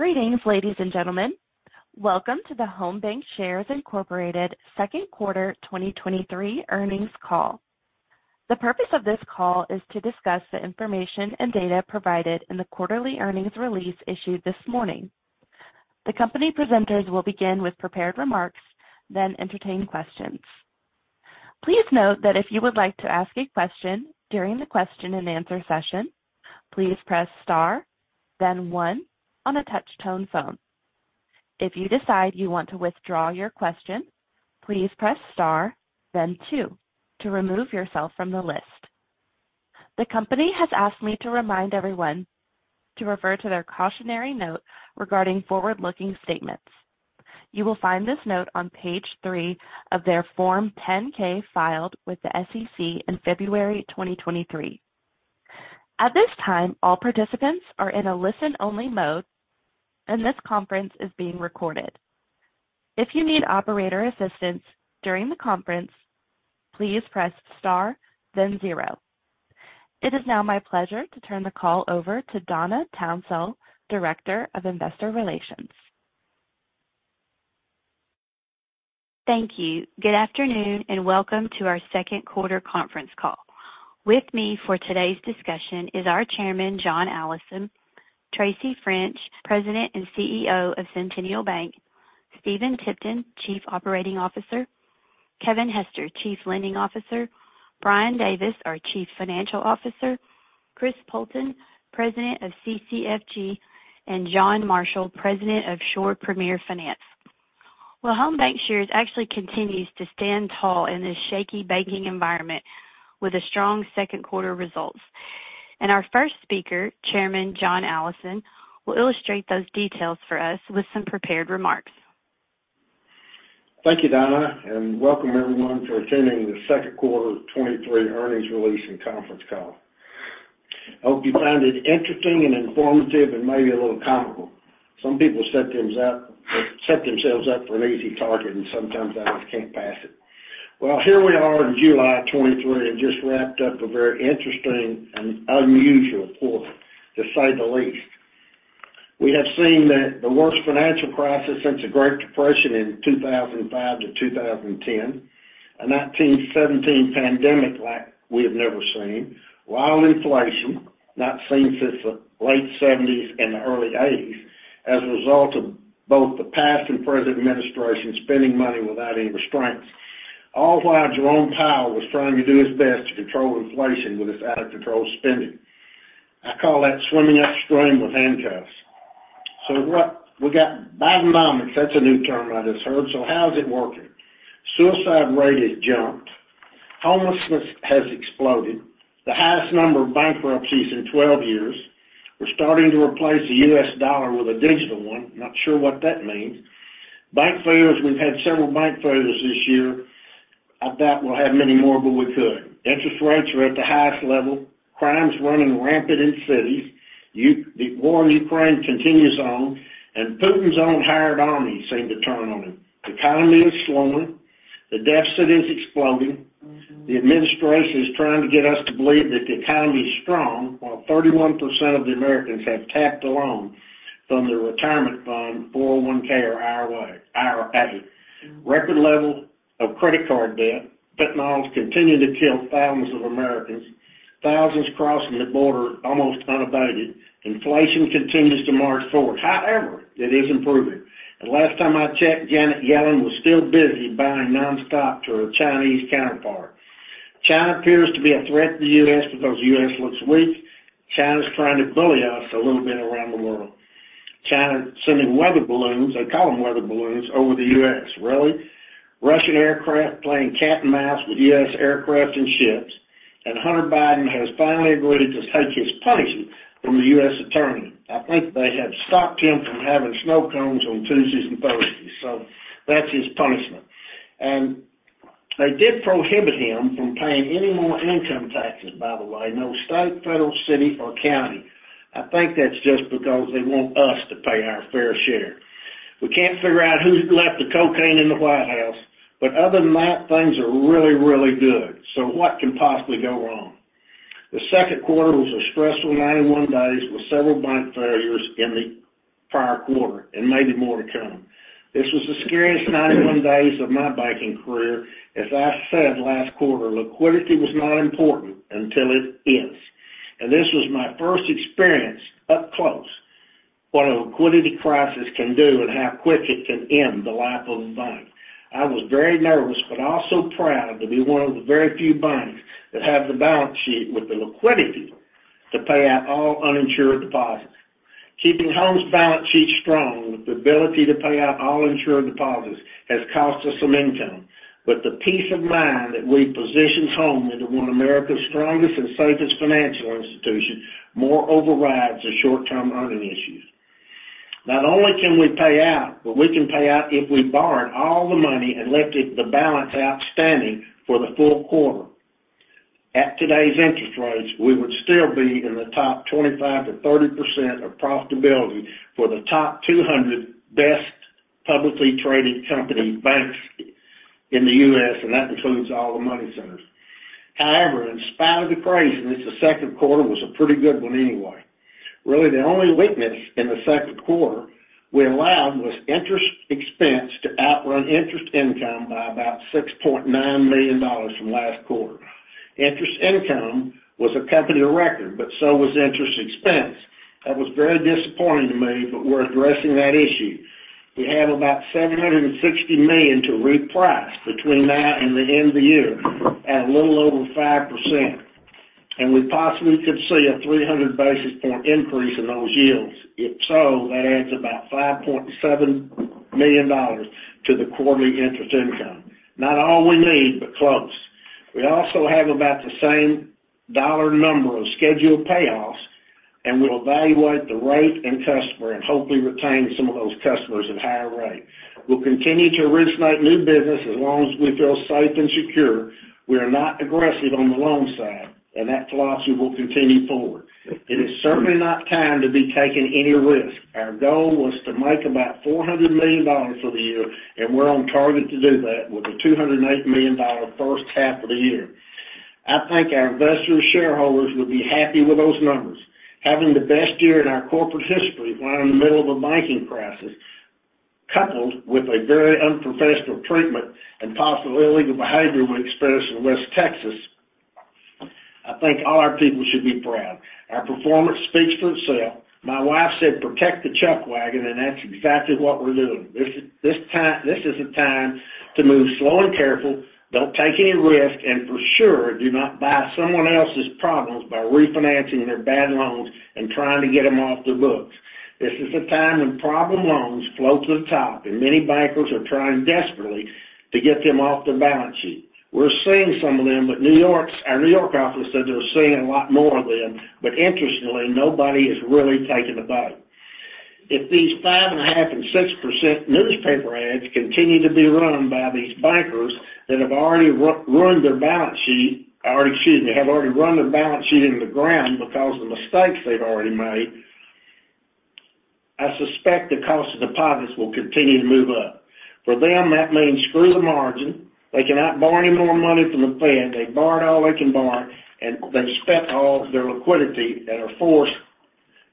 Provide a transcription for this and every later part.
Greetings, ladies and gentlemen. Welcome to the Home BancShares Incorporated second quarter 2023 earnings call. The purpose of this call is to discuss the information and data provided in the quarterly earnings release issued this morning. The company presenters will begin with prepared remarks, then entertain questions. Please note that if you would like to ask a question during the question and answer session, please press star, then one on a touch-tone phone. If you decide you want to withdraw your question, please press star, then two to remove yourself from the list. The company has asked me to remind everyone to refer to their cautionary note regarding forward-looking statements. You will find this note on page three of their Form 10-K, filed with the SEC in February 2023. At this time, all participants are in a listen-only mode, and this conference is being recorded. If you need operator assistance during the conference, please press star, then zero. It is now my pleasure to turn the call over to Donna Townsell, Director of Investor Relations. Thank you. Good afternoon, welcome to our second quarter conference call. With me for today's discussion is our Chairman, John Allison, Tracy French, President and CEO of Centennial Bank, Stephen Tipton, Chief Operating Officer, Kevin Hester, Chief Lending Officer, Brian Davis, our Chief Financial Officer, Chris Poulton, President of CCFG, and John Marshall, President of Shore Premier Finance. Well, Home BancShares actually continues to stand tall in this shaky banking environment with a strong second quarter results. Our first speaker, Chairman John Allison, will illustrate those details for us with some prepared remarks. Thank you, Donna, welcome everyone for attending the second quarter of 2023 earnings release and conference call. I hope you find it interesting and informative and maybe a little comical. Some people set themselves up for an easy target and sometimes I just can't pass it. Well, here we are in July of 2023, just wrapped up a very interesting and unusual quarter, to say the least. We have seen that the worst financial crisis since the Great Depression in 2005-2010, a 1917 pandemic like we have never seen, wild inflation, not seen since the late 70s and early 80s, as a result of both the past and present administration spending money without any restraints. While Jerome Powell was trying to do his best to control inflation with his out-of-control spending. I call that swimming upstream with handcuffs. What... We got Bidenomics. That's a new term I just heard. How is it working? Suicide rate has jumped. Homelessness has exploded. The highest number of bankruptcies in 12 years. We're starting to replace the US dollar with a digital one. Not sure what that means. Bank failures. We've had several bank failures this year. I doubt we'll have many more, but we could. Interest rates are at the highest level. Crime is running rampant in cities. The war in Ukraine continues on, and Putin's own hired army seem to turn on him. The economy is slowing. The deficit is exploding. The administration is trying to get us to believe that the economy is strong, while 31% of the Americans have tapped a loan from their retirement fund, 401(k) or IRA. Record levels of credit card debt. Fentanyl has continued to kill thousands of Americans. Thousands crossing the border, almost unabated. Inflation continues to march forward. However, it is improving. Last time I checked, Janet Yellen was still busy buying nonstop to her Chinese counterpart. China appears to be a threat to the U.S. because the U.S. looks weak. China's trying to bully us a little bit around the world. China is sending weather balloons, they call them weather balloons, over the U.S. Really? Russian aircraft playing cat and mouse with U.S. aircraft and ships, and Hunter Biden has finally agreed to take his punishment from the U.S. attorney. I think they have stopped him from having snow cones on Tuesdays and Thursdays, so that's his punishment. They did prohibit him from paying any more income taxes, by the way, no state, federal, city or county. I think that's just because they want us to pay our fair share. We can't figure out who left the cocaine in the White House, but other than that, things are really, really good. What can possibly go wrong? The second quarter was a stressful 91 days, with several bank failures in the prior quarter and maybe more to come. This was the scariest 91 days of my banking career. As I said last quarter, liquidity was not important until it ends, and this was my first experience up close, what a liquidity crisis can do and how quick it can end the life of a bank. I was very nervous, but also proud to be one of the very few banks that have the balance sheet with the liquidity to pay out all uninsured deposits. Keeping Home's balance sheet strong with the ability to pay out all insured deposits, has cost us some income. The peace of mind that we positioned Home into one of America's strongest and safest financial institutions, more overrides the short-term earning issues. Not only can we pay out, but we can pay out if we borrowed all the money and left it the balance outstanding for the full quarter. At today's interest rates, we would still be in the top 25%-30% of profitability for the top 200 best publicly traded company banks in the U.S., and that includes all the money centers. However, in spite of the craziness, the second quarter was a pretty good one anyway. Really, the only weakness in the second quarter, we allowed was interest expense to outrun interest income by about $6.9 million from last quarter. Interest income was a company record, but so was interest expense. That was very disappointing to me, but we're addressing that issue. We have about $760 million to reprice between now and the end of the year at a little over 5%, and we possibly could see a 300 basis point increase in those yields. If so, that adds about $5.7 million to the quarterly interest income. Not all we need, but close. We also have about the same dollar number of scheduled payoffs, and we'll evaluate the rate and customer, and hopefully, retain some of those customers at a higher rate. We'll continue to originate new business as long as we feel safe and secure. We are not aggressive on the loan side, and that philosophy will continue forward. It is certainly not time to be taking any risk. Our goal was to make about $400 million for the year, and we're on target to do that with a $208 million first half of the year. I think our investor shareholders would be happy with those numbers. Having the best year in our corporate history, while in the middle of a banking crisis, coupled with a very unprofessional treatment and possibly illegal behavior with Express in West Texas, I think all our people should be proud. Our performance speaks for itself. My wife said, "Protect the chuck wagon," and that's exactly what we're doing. This is the time to move slow and careful. Don't take any risks, and for sure, do not buy someone else's problems by refinancing their bad loans and trying to get them off their books. This is a time when problem loans flow to the top, and many bankers are trying desperately to get them off their balance sheet. We're seeing some of them, but our New York office said they're seeing a lot more of them, but interestingly, nobody has really taken the bait. If these 5.5% and 6% newspaper ads continue to be run by these bankers that have already ruined their balance sheet, or excuse me, have already run their balance sheet into the ground because of the mistakes they've already made, I suspect the cost of deposits will continue to move up. For them, that means screw the margin. They cannot borrow any more money from the Fed. They borrowed all they can borrow, they've spent all their liquidity and are forced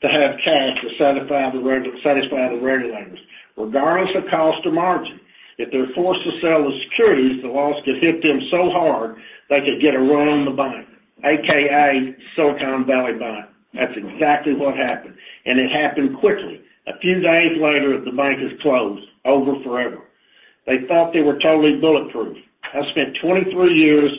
to have cash to satisfy the regulators, regardless of cost or margin. If they're forced to sell the securities, the loss could hit them so hard they could get a run on the bank, A.K.A Silicon Valley Bank. That's exactly what happened. It happened quickly. A few days later, the bank is closed over forever. They thought they were totally bulletproof. I spent 23 years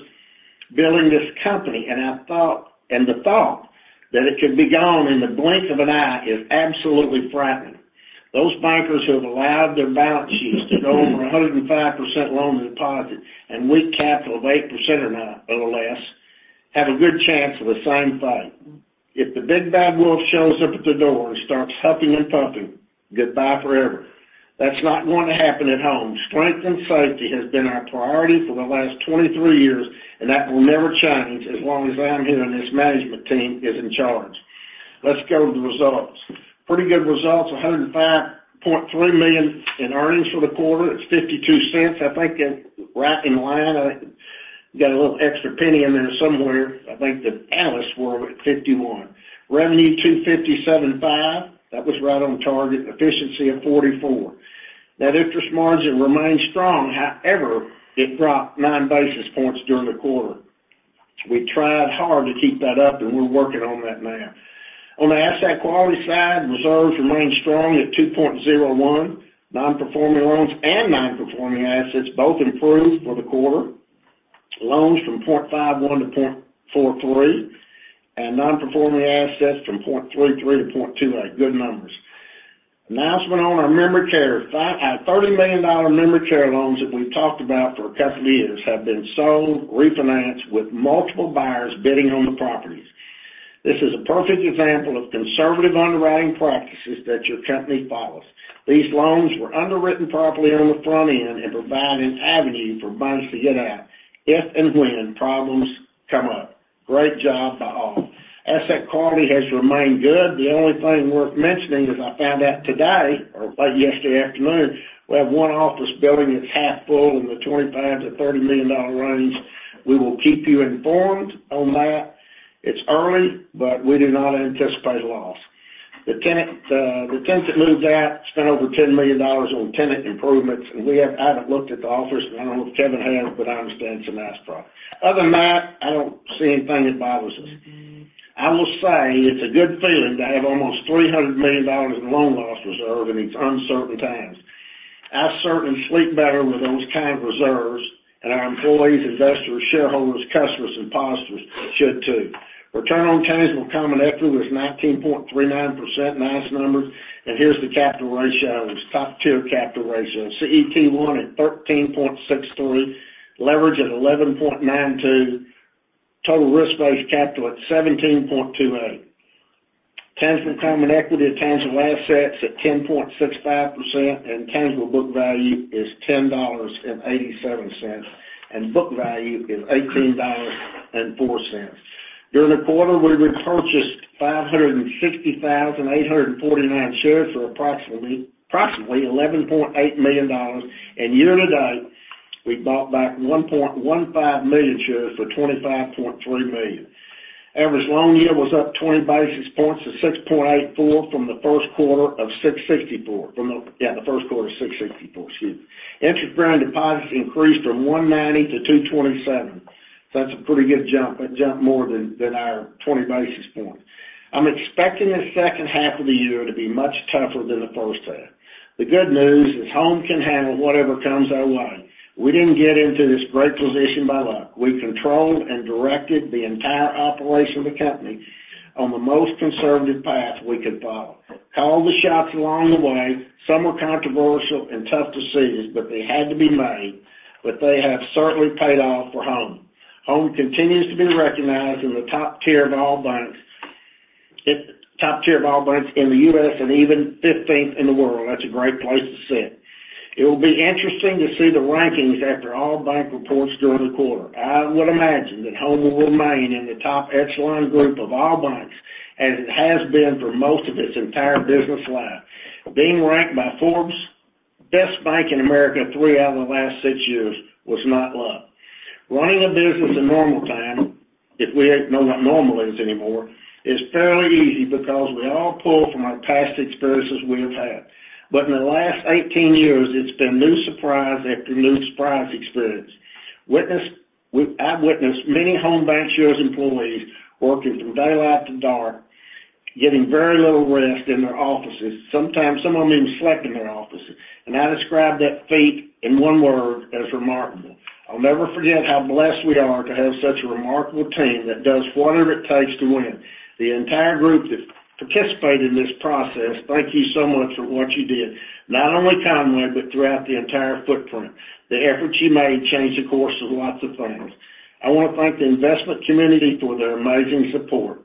building this company. The thought that it could be gone in the blink of an eye is absolutely frightening. Those bankers who have allowed their balance sheets to go over 105% loan deposit and weak capital of 8% or less, have a good chance of the same fate. If the big, bad wolf shows up at the door and starts huffing and puffing, goodbye forever. That's not going to happen at Home. Strength and safety has been our priority for the last 23 years, and that will never change as long as I'm here, and this management team is in charge. Let's go to the results. Pretty good results, $105.3 million in earnings for the quarter. It's $0.52. I think that right in line, I got a little extra penny in there somewhere. I think the analysts were at $0.51. Revenue, $257.5. That was right on target. Efficiency of 44%. That interest margin remains strong. However, it dropped 9 basis points during the quarter. We tried hard to keep that up, and we're working on that now. On the asset quality side, reserves remain strong at 2.01%. Non-performing loans and non-performing assets both improved for the quarter. Loans from 0.51% to 0.43%, and non-performing assets from 0.33% to 0.28%. Good numbers. Announcement on our member care, $30 million member care loans that we've talked about for a couple of years have been sold, refinanced, with multiple buyers bidding on the properties. This is a perfect example of conservative underwriting practices that your company follows. These loans were underwritten properly on the front end and provide an avenue for banks to get out if and when problems come up. Great job by all. Asset quality has remained good. The only thing worth mentioning is I found out today or by yesterday afternoon, we have one office building that's half full in the $25 million-$30 million range. We will keep you informed on that. It's early, we do not anticipate a loss. The tenant, the tenant moved out, spent over $10 million on tenant improvements. I haven't looked at the offers. I don't know if Kevin has, I understand it's a nice profit. Other than that, I don't see anything that bothers us. I will say it's a good feeling to have almost $300 million in loan loss reserve in these uncertain times. I certainly sleep better with those kind of reserves, our employees, investors, shareholders, customers, and pastors should, too. Return on tangible common equity was 19.39%, nice numbers. Here's the capital ratios, top-tier capital ratios. CET1 at 13.63%, leverage at 11.92%, total risk-based capital at 17.28%. Tangible common equity at tangible assets at 10.65%. Tangible book value is $10.87, and book value is $18.04. During the quarter, we repurchased 560,849 shares for approximately $11.8 million. Year-to-date, we bought back 1.15 million shares for $25.3 million. Average loan yield was up 20 basis points to 6.84% from the first quarter of 6.64%, from the yeah, the first quarter of 6.64%, excuse me. Interest-bearing deposits increased from 190 to 227. That's a pretty good jump. That jumped more than our 20 basis points. I'm expecting the second half of the year to be much tougher than the first half. The good news is, Home can handle whatever comes our way. We didn't get into this great position by luck. We controlled and directed the entire operation of the company on the most conservative path we could follow. Called the shots along the way. Some were controversial and tough decisions, but they had to be made, but they have certainly paid off for Home. Home continues to be recognized in the top tier of all banks. It's top tier of all banks in the U.S. and even 15th in the world. That's a great place to sit. It will be interesting to see the rankings after all bank reports during the quarter. I would imagine that Home will remain in the top echelon group of all banks, as it has been for most of its entire business life. Being ranked by Forbes, Best Bank in America, three out of the last six years was not luck. Running a business in normal time, if we know what normal is anymore, is fairly easy because we all pull from our past experiences we have had. In the last 18 years, it's been new surprise after new surprise experience. I've witnessed many Home BancShares employees working from daylight to dark, getting very little rest in their offices. Sometimes, some of them even slept in their offices. I describe that feat in 1 word as remarkable. I'll never forget how blessed we are to have such a remarkable team that does whatever it takes to win. The entire group that participated in this process, thank you so much for what you did, not only Conway, but throughout the entire footprint. The efforts you made changed the course of lots of things. I want to thank the investment community for their amazing support.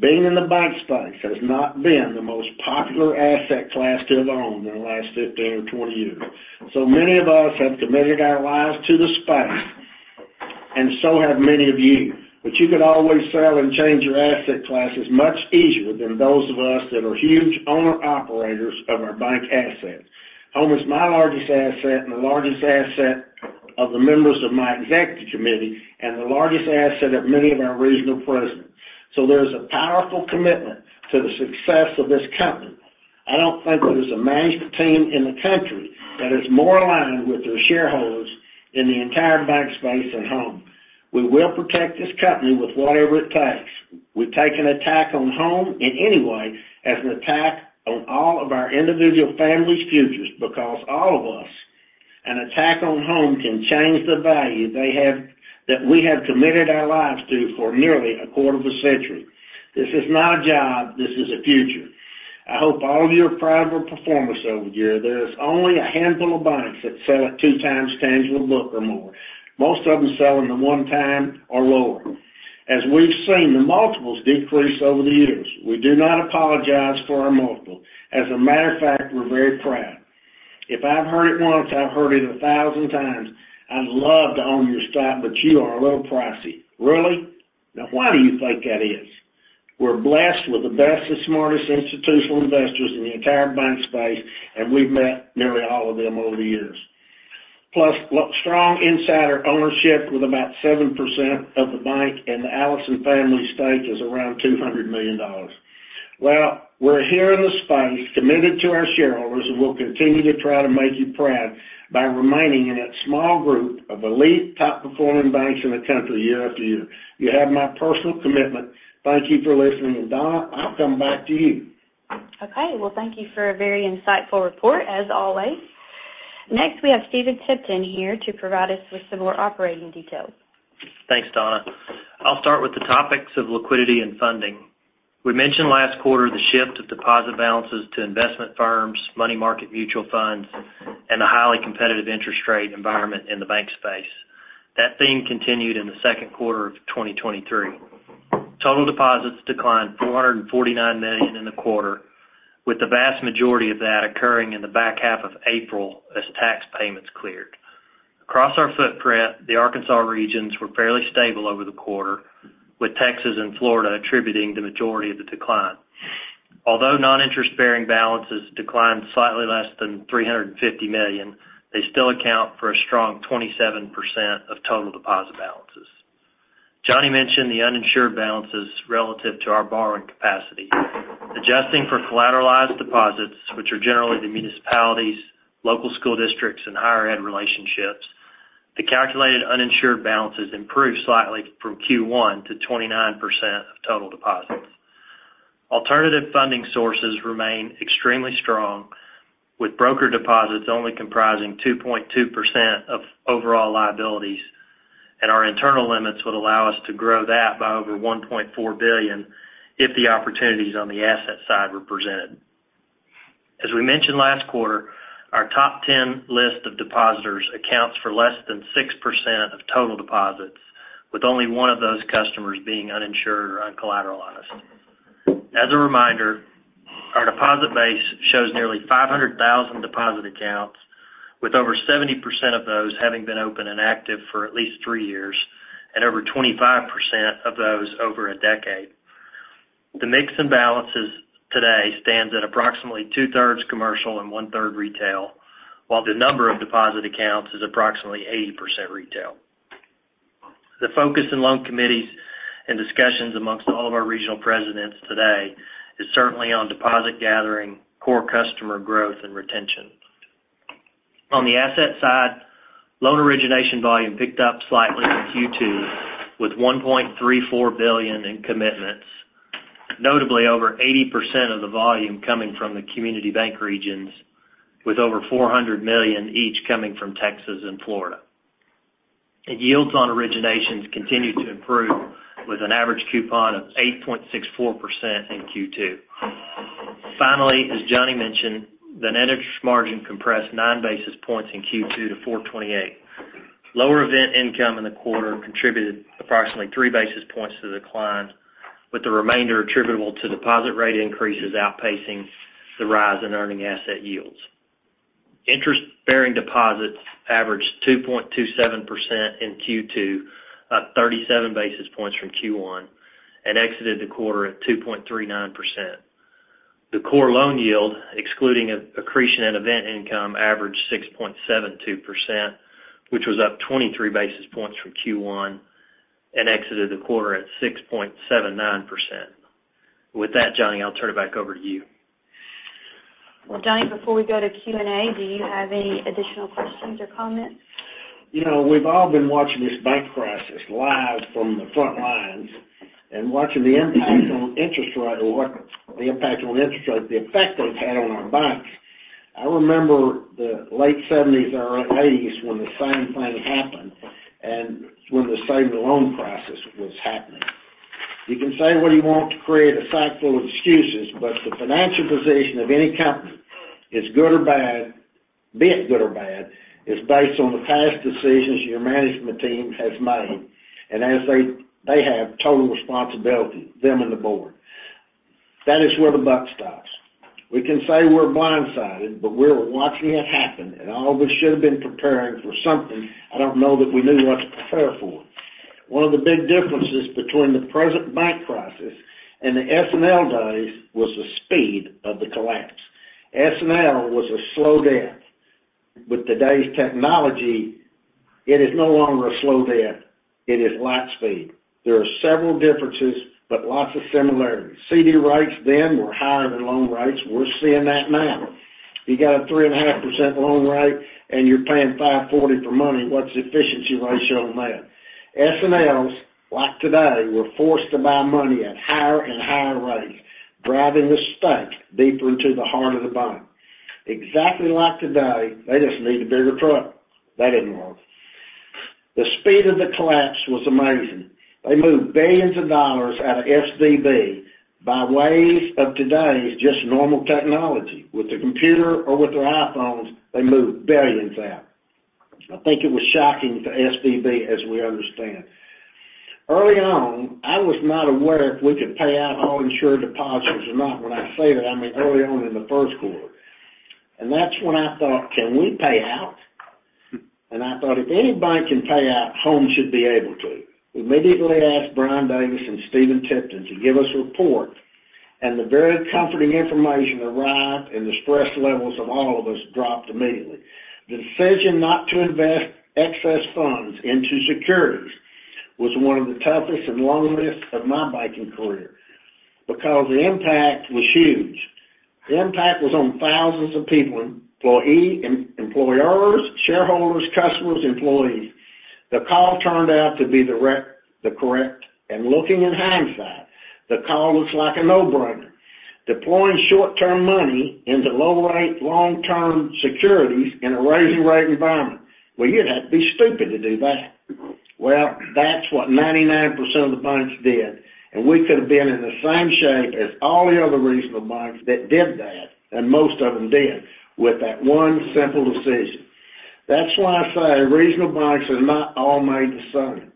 Being in the bank space has not been the most popular asset class to have owned in the last 15 or 20 years. Many of us have committed our lives to the space, and so have many of you. You could always sell and change your asset classes much easier than those of us that are huge owner-operators of our bank assets. Home is my largest asset and the largest asset of the members of my executive committee, and the largest asset of many of our regional presidents. There's a powerful commitment to the success of this company. I don't think there's a management team in the country that is more aligned with their shareholders in the entire bank space than Home. We will protect this company with whatever it takes. We take an attack on Home in any way, as an attack on all of our individual families' futures, because all of us, an attack on Home can change the value that we have committed our lives to for nearly a quarter of a century. This is not a job, this is a future. I hope all of you are proud of our performance over the year. There is only a handful of banks that sell at 2x tangible book or more. Most of them sell in the 1x or lower. As we've seen, the multiples decrease over the years. We do not apologize for our multiple. As a matter of fact, we're very proud. If I've heard it once, I've heard it 1,000x, "I'd love to own your stock, but you are a little pricey." Really? Why do you think that is? We're blessed with the best and smartest institutional investors in the entire bank space, and we've met nearly all of them over the years. Plus, strong insider ownership with about 7% of the bank, and the Allison family stake is around $200 million. We're here in the space, committed to our shareholders, and we'll continue to try to make you proud by remaining in that small group of elite, top-performing banks in the country year-after-year. You have my personal commitment. Thank you for listening, and, Donna, I'll come back to you. Okay. Well, thank you for a very insightful report, as always. Next, we have Stephen Tipton here to provide us with some more operating details. Thanks, Donna. I'll start with the topics of liquidity and funding. We mentioned last quarter the shift of deposit balances to investment firms, money market mutual funds, and a highly competitive interest rate environment in the bank space. That theme continued in the second quarter of 2023. Total deposits declined $449 million in the quarter, with the vast majority of that occurring in the back half of April as tax payments cleared. Across our footprint, the Arkansas regions were fairly stable over the quarter, with Texas and Florida attributing the majority of the decline. Although non-interest-bearing balances declined slightly less than $350 million, they still account for a strong 27% of total deposit balances. Johnny mentioned the uninsured balances relative to our borrowing capacity. Adjusting for collateralized deposits, which are generally the municipalities, local school districts, and higher ed relationships, the calculated uninsured balances improved slightly from Q1 to 29% of total deposits. Alternative funding sources remain extremely strong, with broker deposits only comprising 2.2% of overall liabilities. Our internal limits would allow us to grow that by over $1.4 billion, if the opportunities on the asset side were presented. As we mentioned last quarter, our top 10 list of depositors accounts for less than 6% of total deposits, with only one of those customers being uninsured or uncollateralized. As a reminder, our deposit base shows nearly 500,000 deposit accounts, with over 70% of those having been open and active for at least three years, and over 25% of those over a decade. The mix and balances today stands at approximately 2/3 commercial and 1/3 retail, while the number of deposit accounts is approximately 80% retail. The focus in loan committees and discussions amongst all of our regional presidents today is certainly on deposit gathering, core customer growth, and retention. On the asset side, loan origination volume picked up slightly in Q2 with $1.34 billion in commitments, notably over 80% of the volume coming from the community bank regions, with over $400 million each coming from Texas and Florida. Yields on originations continued to improve with an average coupon of 8.64% in Q2. Finally, as Johnny mentioned, the net interest margin compressed 9 basis points in Q2 to 4.28%. Lower event income in the quarter contributed approximately 3 basis points to the decline, with the remainder attributable to deposit rate increases outpacing the rise in earning asset yields. Interest-bearing deposits averaged 2.27% in Q2, up 37 basis points from Q1, and exited the quarter at 2.39%. The core loan yield, excluding accretion and event income, averaged 6.72%, which was up 23 basis points from Q1 and exited the quarter at 6.79%. With that, Johnny, I'll turn it back over to you. Well, Johnny, before we go to Q&A, do you have any additional questions or comments? You know, we've all been watching this bank crisis live from the front lines and watching the impact on interest rates the impact on interest rates, the effect it's had on our banks. I remember the late 70s, early 80s, when the same thing happened and when the savings and loan crisis was happening. You can say what you want to create a cycle of excuses, but the financial position of any company is good or bad, be it good or bad, is based on the past decisions your management team has made, and as they have total responsibility, them and the board. That is where the buck stops. We can say we're blindsided, but we were watching it happen, and all of us should have been preparing for something. I don't know that we knew what to prepare for. One of the big differences between the present bank crisis and the S&L days was the speed of the collapse. S&L was a slow death. With today's technology, it is no longer a slow death, it is light speed. There are several differences. Lots of similarities. CD rates then were higher than loan rates. We're seeing that now. You got a 3.5% loan rate, and you're paying $5.40 for money. What's the efficiency ratio on that? S&Ls, like today, were forced to buy money at higher and higher rates, driving the stake deeper into the heart of the bank. Exactly like today, they just need a bigger truck. They didn't know. The speed of the collapse was amazing. They moved billions of dollars out of SVB by ways of today, just normal technology. With their computer or with their iPhones, they moved $ billions out. I think it was shocking for SVB, as we understand. Early on, I was not aware if we could pay out all insured deposits or not. When I say that, I mean early on in the first quarter. That's when I thought, "Can we pay out?" I thought, if anybody can pay out, Home should be able to. We immediately asked Brian Davis and Stephen Tipton to give us a report. The very comforting information arrived. The stress levels of all of us dropped immediately. The decision not to invest excess funds into securities was one of the toughest and longest of my banking career, because the impact was huge. The impact was on thousands of people, employee, employers, shareholders, customers, employees. The call turned out to be the correct, looking in hindsight, the call looks like a no-brainer. Deploying short-term money into low-rate, long-term securities in a rising rate environment, well, you'd have to be stupid to do that. That's what 99% of the banks did, and we could have been in the same shape as all the other regional banks that did that, and most of them did, with that one simple decision. That's why I say regional banks are not all made the same.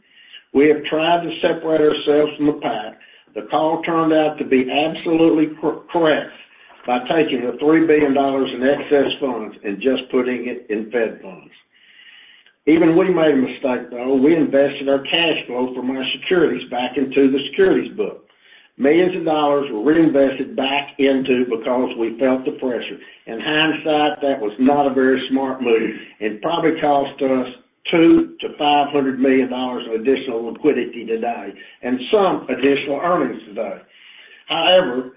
We have tried to separate ourselves from the pack. The call turned out to be absolutely correct by taking the $3 billion in excess funds and just putting it in Fed funds. Even we made a mistake, though. We invested our cash flow from our securities back into the securities book. Millions of dollars were reinvested back into because we felt the pressure. In hindsight, that was not a very smart move, and probably cost us $200 million-$500 million of additional liquidity today and some additional earnings today. However,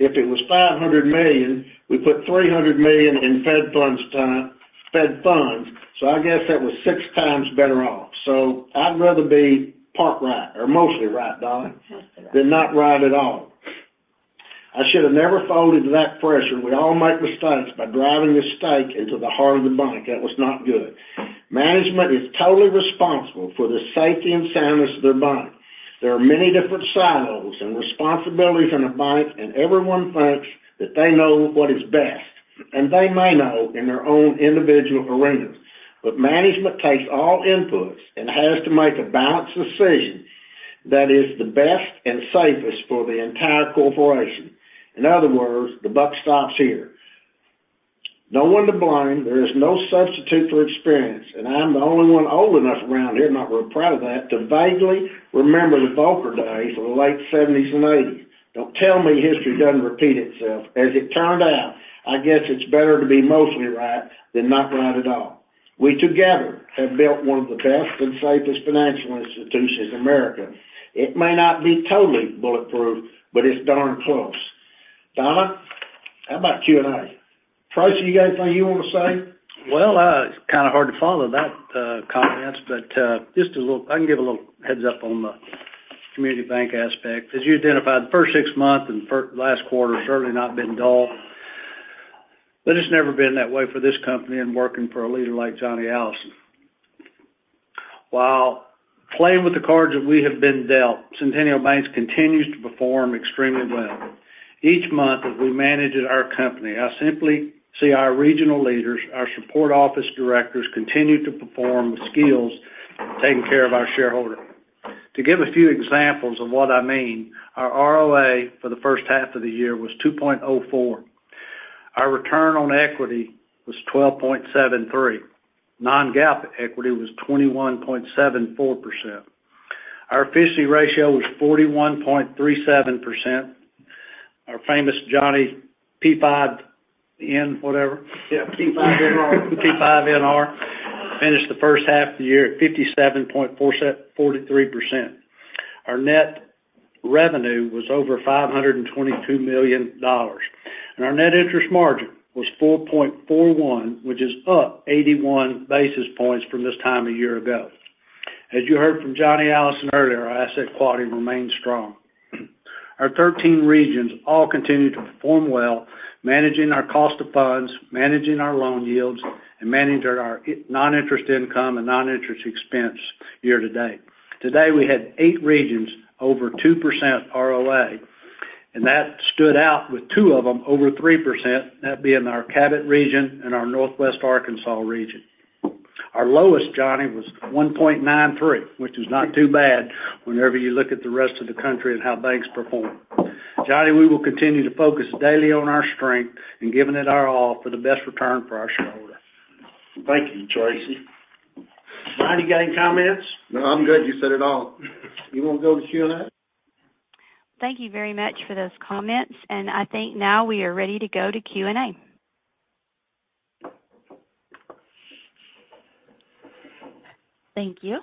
if it was $500 million, we put $300 million in fed funds, so I guess that was six times better off. I'd rather be part right or mostly right, Donna. Mostly right. Than not right at all. I should have never folded to that pressure. We all make mistakes by driving the stake into the heart of the bank. That was not good. Management is totally responsible for the safety and soundness of their bank. There are many different silos and responsibilities in a bank, and everyone thinks that they know what is best, and they may know in their own individual arenas, but management takes all inputs and has to make a balanced decision that is the best and safest for the entire corporation. In other words, the buck stops here. No one to blame, there is no substitute for experience, and I'm the only one old enough around here, I'm not real proud of that, to vaguely remember the Volcker days of the late 70s and 80s. Don't tell me history doesn't repeat itself. As it turned out, I guess it's better to be mostly right than not right at all. We together have built one of the best and safest financial institutions in America. It may not be totally bulletproof, but it's darn close. Donna, how about Q&A? Tracy, you got anything you want to say? It's kind of hard to follow that comments, I can give a little heads up on the community bank aspect. As you identified, the first six months and last quarter has certainly not been dull, but it's never been that way for this company and working for a leader like Johnny Allison. While playing with the cards that we have been dealt, Centennial Banks continues to perform extremely well. Each month, as we manage our company, I simply see our regional leaders, our support office directors, continue to perform skills, taking care of our shareholders. To give a few examples of what I mean, our ROA for the first half of the year was 2.04%. Our return on equity was 12.73%. Non-GAAP equity was 21.74%. Our efficiency ratio was 41.37%. Our famous Johnny P5NR, whatever? Yeah, P5NR. P5NR finished the first half of the year at 57.43%. Our net revenue was over $522 million, and our net interest margin was 4.41%, which is up 81 basis points from this time a year ago. As you heard from John Allison earlier, our asset quality remains strong. Our 13 regions all continue to perform well, managing our cost of funds, managing our loan yields, and managing our non-interest income and non-interest expense year to date. Today, we had 8 regions over 2% ROA, and that stood out with two of them over 3%. That being our Cabot region and our Northwest Arkansas region. Our lowest, John, was 1.93%, which is not too bad whenever you look at the rest of the country and how banks perform. Johnny, we will continue to focus daily on our strength and giving it our all for the best return for our shareholders. Thank you, Tracy. Johnny, you got any comments? No, I'm good, you said it all. You want to go to Q&A? Thank you very much for those comments. I think now we are ready to go to Q&A. Thank you.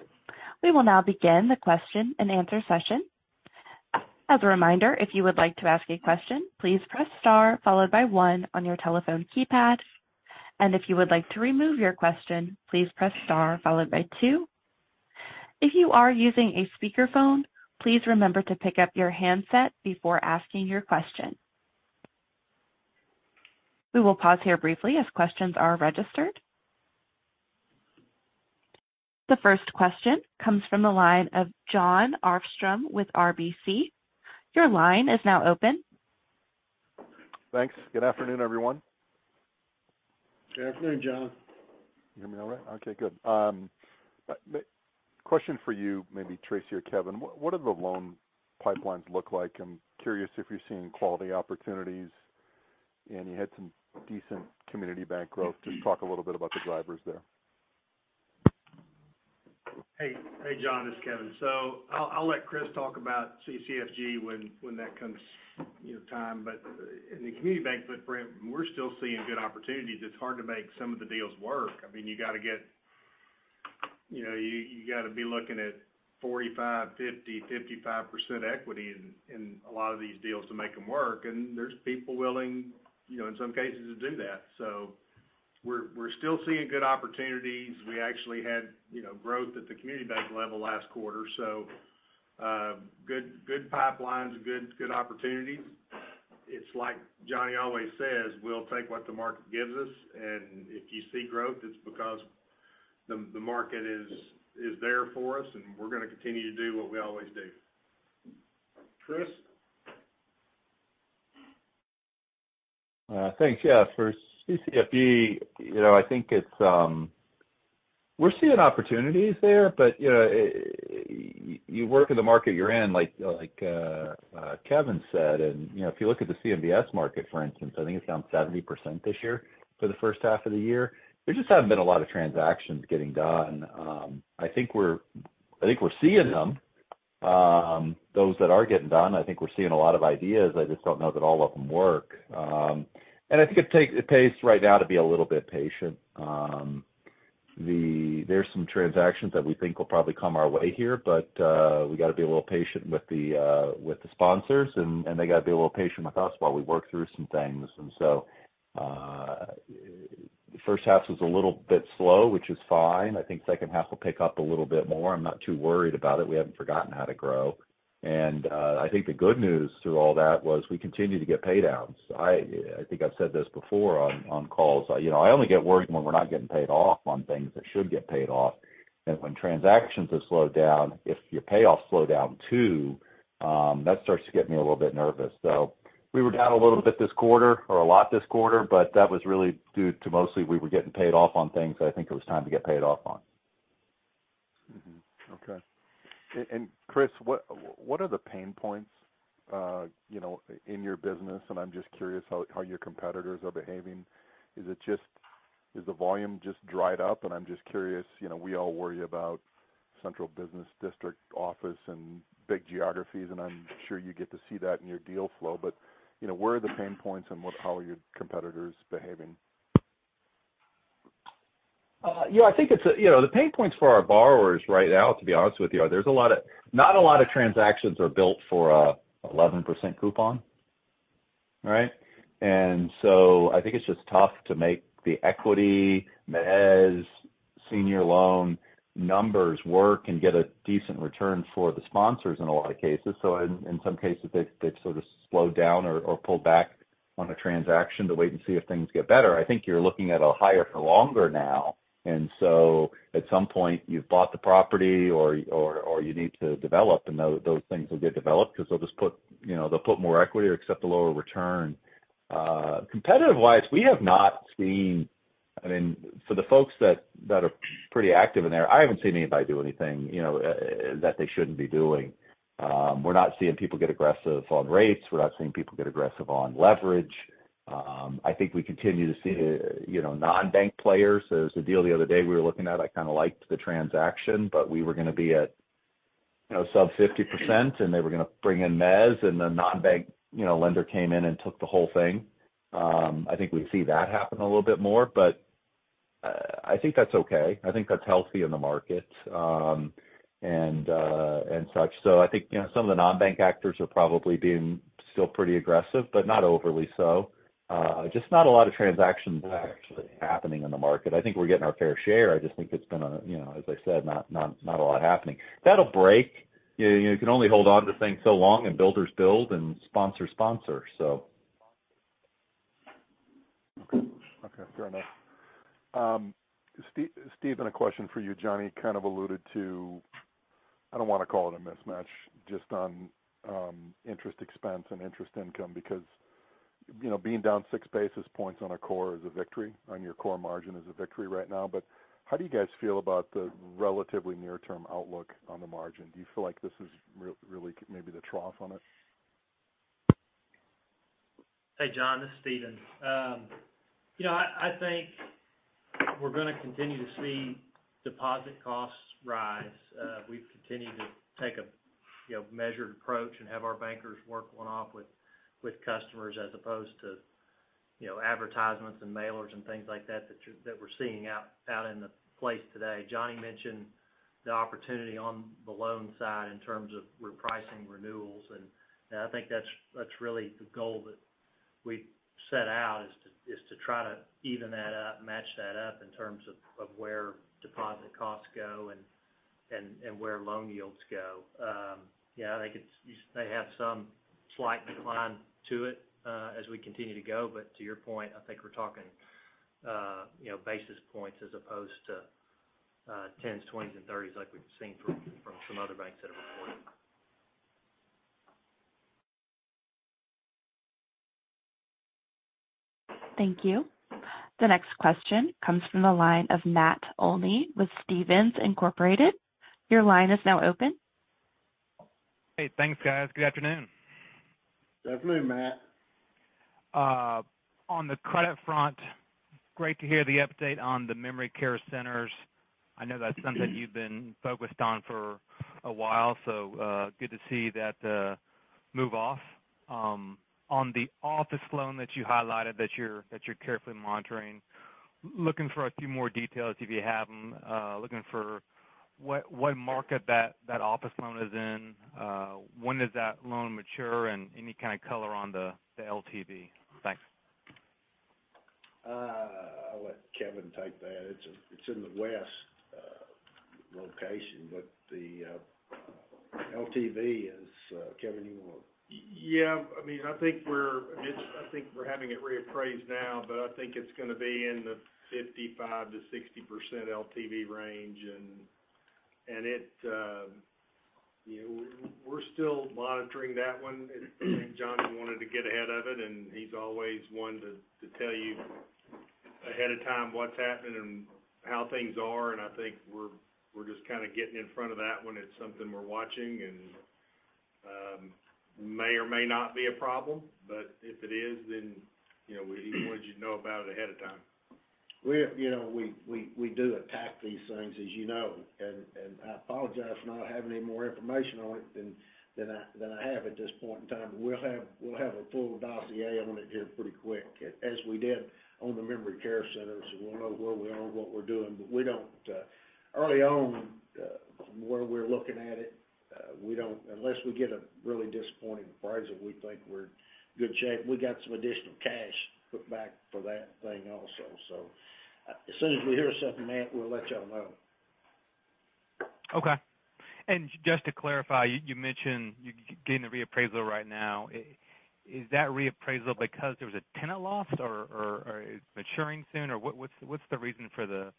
We will now begin the question and answer session. As a reminder, if you would like to ask a question, please press star followed by one on your telephone keypad. If you would like to remove your question, please press star followed by two. If you are using a speakerphone, please remember to pick up your handset before asking your question. We will pause here briefly as questions are registered. The first question comes from the line of Jon Arfstrom with RBC. Your line is now open. Thanks. Good afternoon, everyone. Good afternoon, Jon. You hear me all right? Okay, good. question for you, maybe Tracy or Kevin: what do the loan pipelines look like? I'm curious if you're seeing quality opportunities, and you had some decent community bank growth. Just talk a little bit about the drivers there. Hey, John, this is Kevin. I'll let Chris talk about CCFG when that comes, you know, time. In the community bank footprint, we're still seeing good opportunities. It's hard to make some of the deals work. You know, you got to be looking at 45%, 50%, 55% equity in a lot of these deals to make them work, and there's people willing, you know, in some cases, to do that. We're still seeing good opportunities. We actually had, you know, growth at the community bank level last quarter, good pipelines, good opportunities. It's like Johnny always says, "We'll take what the market gives us," and if you see growth, it's because the market is there for us, and we're going to continue to do what we always do. Chris? Thanks. Yeah, for CCFG, you know, I think it's, we're seeing opportunities there, but, you know, you work in the market you're in, like Kevin said, you know, if you look at the CMBS market, for instance, I think it's down 70% this year for the first half of the year. There just haven't been a lot of transactions getting done. I think we're, I think we're seeing them, those that are getting done. I think we're seeing a lot of ideas, I just don't know that all of them work. I think it takes right now to be a little bit patient. There's some transactions that we think will probably come our way here, but we got to be a little patient with the sponsors, and they got to be a little patient with us while we work through some things. The first half was a little bit slow, which is fine. I think second half will pick up a little bit more. I'm not too worried about it. We haven't forgotten how to grow. I think the good news through all that was we continue to get pay downs. I think I've said this before on calls. You know, I only get worried when we're not getting paid off on things that should get paid off. And when transactions have slowed down, if your payoffs slow down, too. that starts to get me a little bit nervous. We were down a little bit this quarter, or a lot this quarter, but that was really due to mostly we were getting paid off on things I think it was time to get paid off on. Okay. Chris, what are the pain points, you know, in your business? I'm just curious how your competitors are behaving. Is the volume just dried up? I'm just curious, you know, we all worry about central business district office and big geographies, and I'm sure you get to see that in your deal flow. You know, where are the pain points and how are your competitors behaving? Yeah, I think it's, you know, the pain points for our borrowers right now, to be honest with you, are there's not a lot of transactions are built for a 11% coupon, right? I think it's just tough to make the equity, mezz, senior loan numbers work and get a decent return for the sponsors in a lot of cases. In some cases, they've sort of slowed down or pulled back on a transaction to wait and see if things get better. I think you're looking at a higher for longer now. At some point, you've bought the property or you need to develop, and those things will get developed because they'll just put, you know, they'll put more equity or accept a lower return. Competitive-wise, we have not seen... I mean, for the folks that are pretty active in there, I haven't seen anybody do anything, you know, that they shouldn't be doing. We're not seeing people get aggressive on rates. We're not seeing people get aggressive on leverage. I think we continue to see, you know, non-bank players. There's a deal the other day we were looking at, I kind of liked the transaction, but we were going to be at, you know, sub 50%, and they were going to bring in mezz, and the non-bank, you know, lender came in and took the whole thing. I think we see that happen a little bit more, but I think that's okay. I think that's healthy in the market, and such. I think, you know, some of the non-bank actors are probably being still pretty aggressive, but not overly so. Just not a lot of transactions actually happening in the market. I think we're getting our fair share. I just think it's been a, you know, as I said, not a lot happening. That'll break. You, you can only hold onto things so long, and builders build and sponsors sponsor. Okay. Okay, fair enough. Stephen, a question for you. Johnny kind of alluded to, I don't want to call it a mismatch, just on interest expense and interest income, because, you know, being down 6 basis points on a core is a victory, on your core margin is a victory right now. How do you guys feel about the relatively near-term outlook on the margin? Do you feel like this is really maybe the trough on it? Hey, Jon, this is Stephen. you know, I think we're going to continue to see deposit costs rise. We've continued to take a, you know, measured approach and have our bankers work one off with customers as opposed to, you know, advertisements and mailers and things like that we're seeing out in the place today. Johnny mentioned the opportunity on the loan side in terms of repricing renewals, and I think that's really the goal that we set out, is to try to even that up, match that up in terms of where deposit costs go and where loan yields go. Yeah, I think it may have some slight decline to it as we continue to go. To your point, I think we're talking, you know, basis points as opposed to, 10s, 20s, and 30s like we've seen from some other banks that are reporting. Thank you. The next question comes from the line of Matt Olney with Stephens Inc. Your line is now open. Hey, thanks, guys. Good afternoon. Good afternoon, Matt. On the credit front, great to hear the update on the memory care centers. I know that's something you've been focused on for a while, so good to see that move off. On the office loan that you highlighted, that you're carefully monitoring, looking for a few more details, if you have them. Looking for what market that office loan is in, when does that loan mature, and any kind of color on the LTV? Thanks. I'll let Kevin take that. It's in the West location, but the LTV is... Kevin, you want? Yeah. I mean, I think we're, I think we're having it reappraised now, but I think it's going to be in the 55%-60% LTV range. It, you know, we're still monitoring that one. Johnny wanted to get ahead of it, and he's always one to tell you ahead of time what's happening and how things are. I think we're just kind of getting in front of that one. It's something we're watching and may or may not be a problem, but if it is, then, you know, we want you to know about it ahead of time. We, you know, we do attack these things, as you know, I apologize for not having any more information on it than I have at this point in time. We'll have a full dossier on it here pretty quick, as we did on the memory care centers. We'll know where we are and what we're doing, but we don't. Early on, from where we're looking at it, unless we get a really disappointing appraisal, we think we're in good shape. We got some additional cash put back for that thing also. As soon as we hear something, Matt, we'll let y'all know. Okay. Just to clarify, you mentioned you're getting a reappraisal right now. Is that reappraisal because there was a tenant loss, or it's maturing soon? What's the reason for the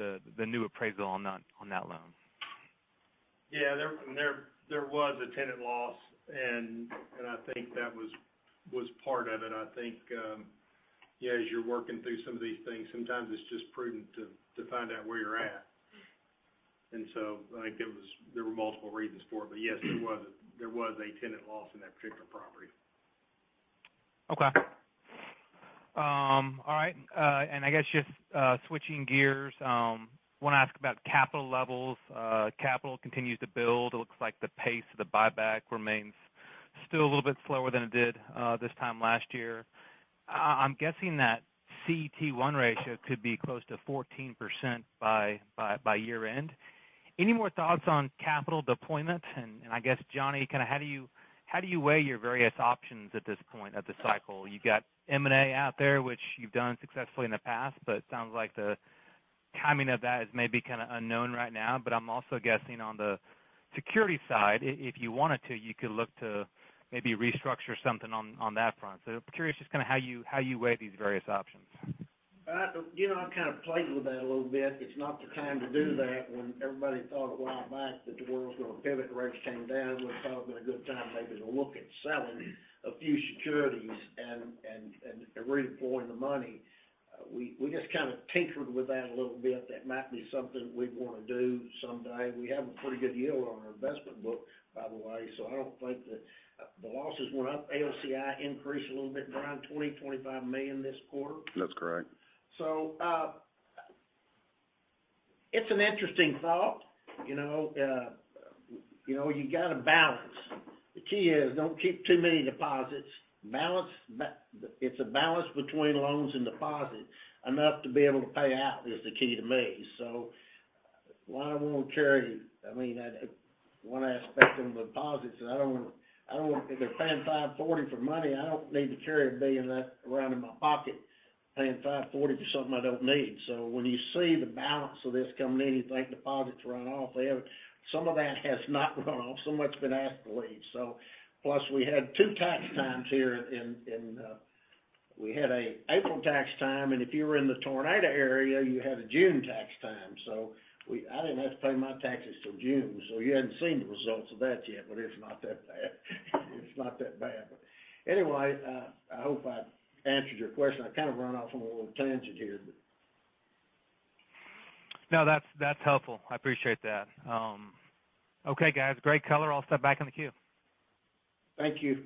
reappraisal, the new appraisal on that loan? Yeah, there was a tenant loss, and I think that was part of it. I think, yeah, as you're working through some of these things, sometimes it's just prudent to find out where you're at. I think there were multiple reasons for it. Yes, there was a tenant loss in that particular property. Okay. All right, switching gears, want to ask about capital levels. Capital continues to build. It looks like the pace of the buyback remains still a little bit slower than it did this time last year. I'm guessing that CET1 ratio could be close to 14% by year-end. Any more thoughts on capital deployment? I guess, Johnny, kind of how do you, how do you weigh your various options at this point of the cycle? You got M&A out there, which you've done successfully in the past, but it sounds like the timing of that is maybe kind of unknown right now. I'm also guessing on the security side, if you wanted to, you could look to maybe restructure something on that front. Curious just kind of how you, how you weigh these various options? You know, I've kind of played with that a little bit. It's not the time to do that. When everybody thought a while back that the world's going to pivot, and rates came down, would probably been a good time maybe to look at selling a few securities and redeploying the money. We just kind of tinkered with that a little bit. That might be something we'd want to do someday. We have a pretty good yield on our investment book, by the way, so I don't think that... The losses went up. AOCI increased a little bit, Brian, $20 million-$25 million this quarter? That's correct. It's an interesting thought, you know, you know, you got to balance. The key is, don't keep too many deposits. It's a balance between loans and deposits. Enough to be able to pay out, is the key to me. Why I want to carry, I mean, I, one aspect of deposits, is I don't want, I don't want. If they're paying 5.40 for money, I don't need to carry $1 billion of that around in my pocket, paying 5.40 for something I don't need. When you see the balance of this coming in, you think deposits run-off. Some of that has not run off. Some what's been asked to leave, so. we had two tax times here in, we had a April tax time, and if you were in the tornado area, you had a June tax time. I didn't have to pay my taxes till June, you hadn't seen the results of that yet, it's not that bad. It's not that bad. Anyway, I hope I answered your question. I kind of run-off on a little tangent here, but. No, that's helpful. I appreciate that. Okay, guys. Great color. I'll step back in the queue. Thank you.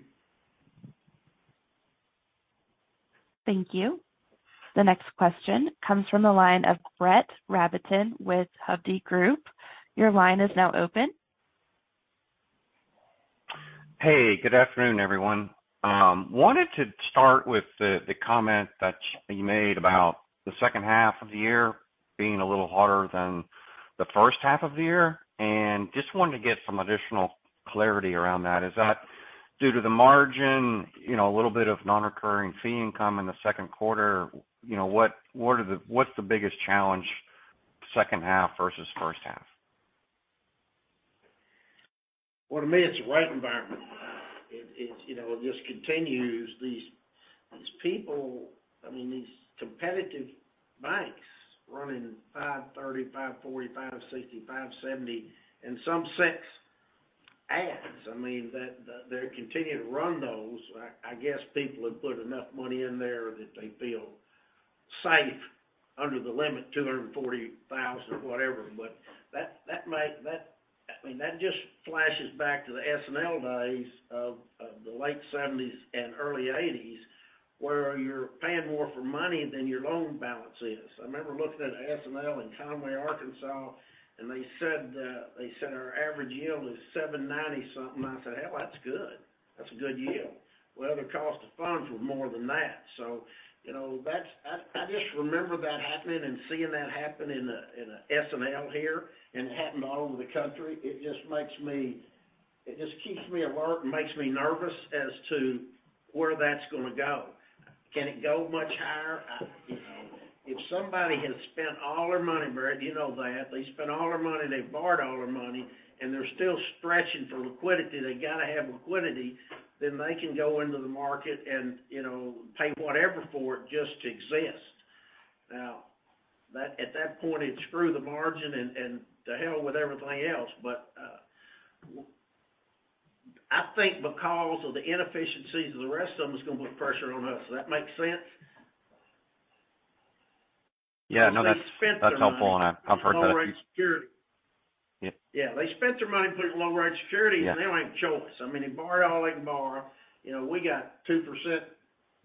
Thank you. The next question comes from the line of Brett Rabatin with Hovde Group. Your line is now open. Hey, good afternoon, everyone. Wanted to start with the comment that you made about the second half of the year being a little harder than the first half of the year. Just wanted to get some additional clarity around that. Is that due to the margin, you know, a little bit of non-recurring fee income in the second quarter? You know, what's the biggest challenge, second half versus first half? Well, to me, it's the rate environment. It, you know, it just continues these people, I mean, these competitive banks running 5.30%, 5.40%, 5.60%, 5.70%, and some 6% ads. I mean, they're continuing to run those. I guess people have put enough money in there that they feel safe under the limit, $240,000, whatever. That might, I mean, that just flashes back to the S&L days of the late 1970s and early 1980s, where you're paying more for money than your loan balance is. I remember looking at an S&L in Conway, Arkansas, and they said, "Our average yield is 7.90% something." I said, "Hell, that's good. That's a good yield." Well, the cost of funds was more than that. You know, that's... I just remember that happening and seeing that happen in a S&L here. It happened all over the country. It just keeps me alert and makes me nervous as to where that's gonna go. Can it go much higher? You know, if somebody has spent all their money, Brett, you know that, they spent all their money, they borrowed all their money, and they're still stretching for liquidity, they got to have liquidity, then they can go into the market and, you know, pay whatever for it just to exist. At that point, it's screw the margin and to hell with everything else. I think because of the inefficiencies of the rest of them, it's going to put pressure on us. Does that make sense? Yeah, no, that's helpful, and I've heard that. Long-run security. Yeah. Yeah, they spent their money putting long-run security... Yeah. They ain't choice. I mean, they borrow all they can borrow. You know, we got 2%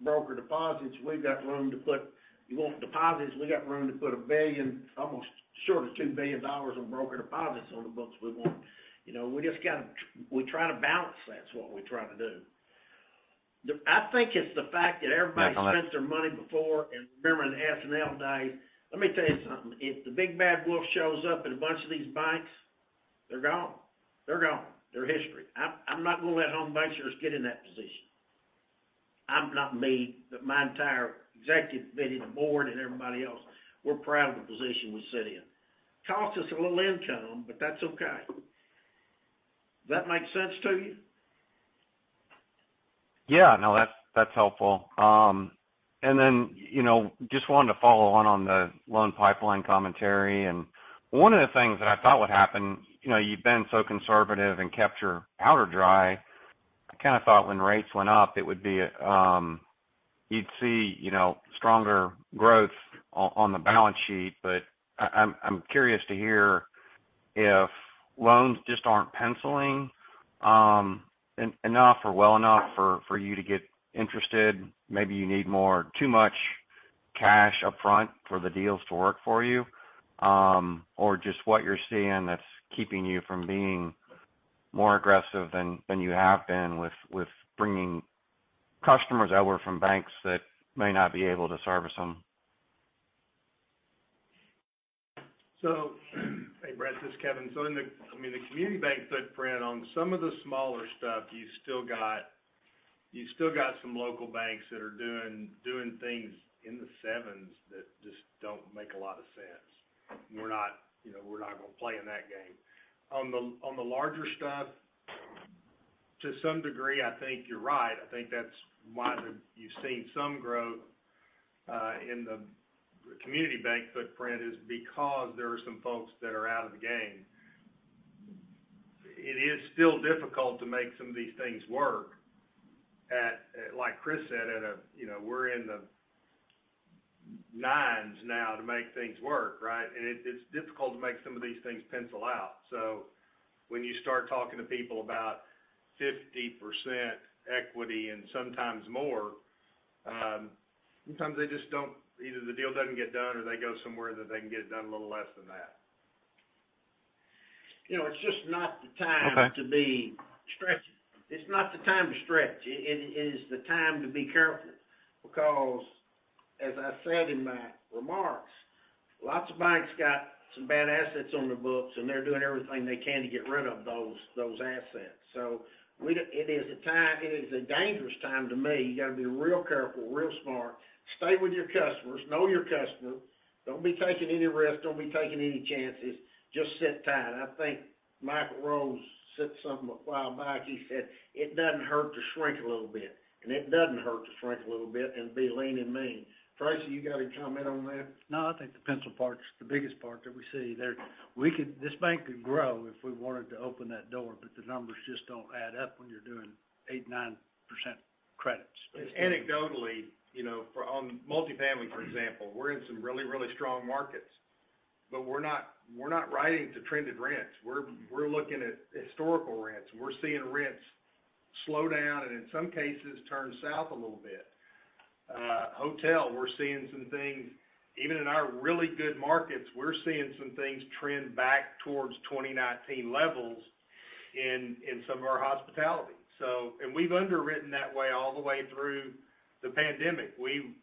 broker deposits. You want deposits, we got room to put $1 billion, almost short of $2 billion in broker deposits on the books we want. You know, we try to balance that, is what we try to do. I think it's the fact that everybody. I... -spent their money before. Remember in the S&L days, let me tell you something: If the big, bad wolf shows up at a bunch of these banks, they're gone. They're gone. They're history. I'm not going to let Home BancShares get in that position. I'm not me. My entire executive committee, the board, and everybody else, we're proud of the position we sit in. Cost us a little income. That's okay. Does that make sense to you? Yeah, no, that's helpful. You know, just wanted to follow on the loan pipeline commentary. One of the things that I thought would happen, you know, you've been so conservative and kept your powder dry. I kinda thought when rates went up, it would be, you'd see, you know, stronger growth on the balance sheet. I'm curious to hear if loans just aren't penciling enough or well enough for you to get interested. Maybe you need too much cash upfront for the deals to work for you, or just what you're seeing that's keeping you from being more aggressive than you have been with bringing customers over from banks that may not be able to service them? Hey, Brad, this is Kevin. I mean, the community bank footprint on some of the smaller stuff, you still got some local banks that are doing things in the sevens that just don't make a lot of sense. We're not, you know, we're not gonna play in that game. On the, on the larger stuff, to some degree, I think you're right. I think that's why you've seen some growth in the community bank footprint is because there are some folks that are out of the game. It is still difficult to make some of these things work at. Like Chris said, at a, you know, we're in the nines now to make things work, right? It's difficult to make some of these things pencil out. When you start talking to people about 50% equity and sometimes more, sometimes they just don't, either the deal doesn't get done, or they go somewhere that they can get it done a little less than that. You know, it's just not the time. Okay... to be stretching. It's not the time to stretch. It is the time to be careful because, as I said in my remarks, lots of banks got some bad assets on their books, and they're doing everything they can to get rid of those assets. It is a time, it is a dangerous time to me. You got to be real careful, real smart. Stay with your customers. Know your customer. Don't be taking any risks. Don't be taking any chances. Just sit tight. I think Mike Rose said something a while back. He said, "It doesn't hurt to shrink a little bit," and it doesn't hurt to shrink a little bit and be lean and mean. Tracy, you got any comment on that? No, I think the pencil part's the biggest part that we see there. This bank could grow if we wanted to open that door, the numbers just don't add up when you're doing 8%, 9% credits. Anecdotally, you know, for on multifamily, for example, we're in some really, really strong markets, but we're not, we're not writing to trended rents. We're looking at historical rents, and we're seeing rents slow down, and in some cases, turn south a little bit. Hotel, we're seeing some things... Even in our really good markets, we're seeing some things trend back towards 2019 levels in some of our hospitality. We've underwritten that way all the way through the pandemic. We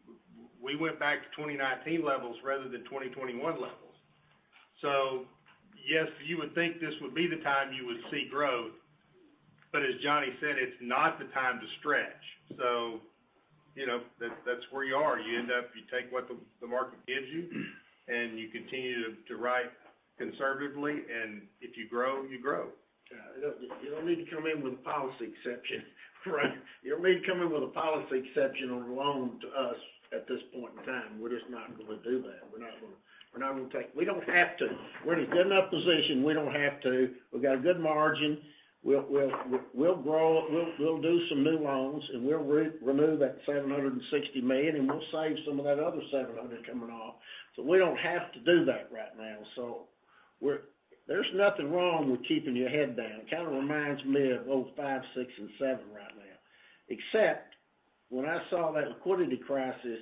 went back to 2019 levels rather than 2021 levels. Yes, you would think this would be the time you would see growth, but as Johnny said, it's not the time to stretch. You know, that's where you are. You end up, you take what the market gives you, and you continue to write conservatively, and if you grow, you grow. Yeah. You don't need to come in with a policy exception, right? You don't need to come in with a policy exception on a loan to us at this point in time. We're just not gonna do that. We don't have to. We're in a good enough position, we don't have to. We've got a good margin. We'll grow, we'll do some new loans, and we'll remove that $760 million, and we'll save some of that other $700 million coming off. We don't have to do that right now. There's nothing wrong with keeping your head down. Kind of reminds me of 2005, 2006, and 2007 right now. When I saw that liquidity crisis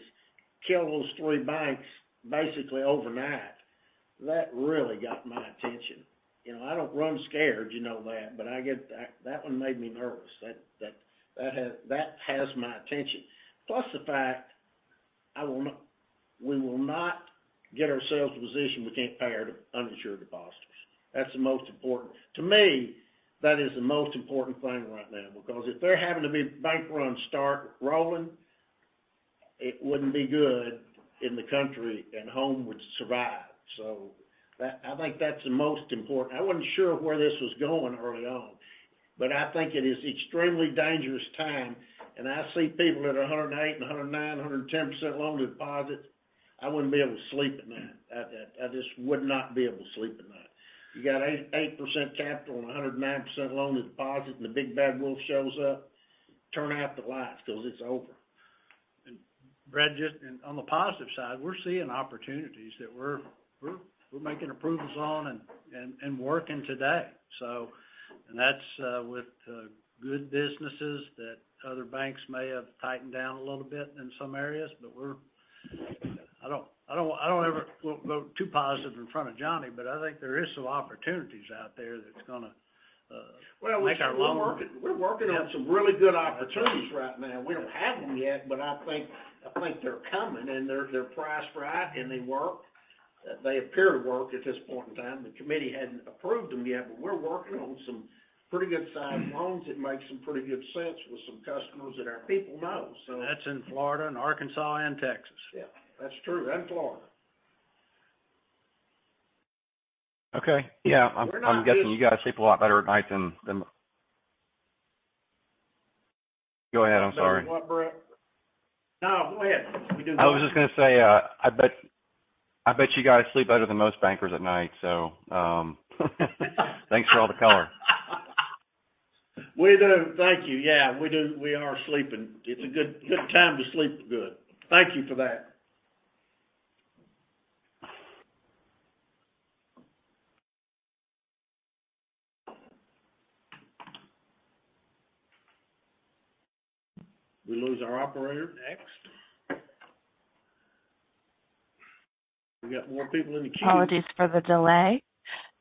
kill those three banks basically overnight, that really got my attention. You know, I don't run scared, you know that, but I get... That, that one made me nervous. That, that has my attention. The fact we will not get ourselves in a position we can't pay our uninsured depositors. That's the most important. To me, that is the most important thing right now, because if they're having to be bank runs start rolling, it wouldn't be good in the country and Home would survive. That-- I think that's the most important. I wasn't sure where this was going early on, but I think it is extremely dangerous time, and I see people at 108%, 109%, 110% loan to deposit. I wouldn't be able to sleep at night. I just would not be able to sleep at night. You got 8% capital and 109% loan to deposit, and the big bad wolf shows up, turn out the lights because it's over. Brett, just, and on the positive side, we're seeing opportunities that we're making approvals on and working today, so. That's with good businesses that other banks may have tightened down a little bit in some areas, but we're. I don't ever go too positive in front of Johnny, but I think there is some opportunities out there that's gonna make our loan. We're working on some really good opportunities right now. We don't have them yet, but I think they're coming, and they're priced right, and they work. They appear to work at this point in time. The committee hadn't approved them yet, but we're working on some pretty good-sized loans that make some pretty good sense with some customers that our people know. That's in Florida, and Arkansas, and Texas. Yeah, that's true, and Florida. Okay. Yeah, I'm guessing you guys sleep a lot better at night than. Go ahead, I'm sorry. No, go ahead. We do-. I was just gonna say, I bet you guys sleep better than most bankers at night. Thanks for all the color. We do. Thank you. We are sleeping. It's a good time to sleep good. Thank you for that. We lose our operator next? We got more people in the queue. Apologies for the delay.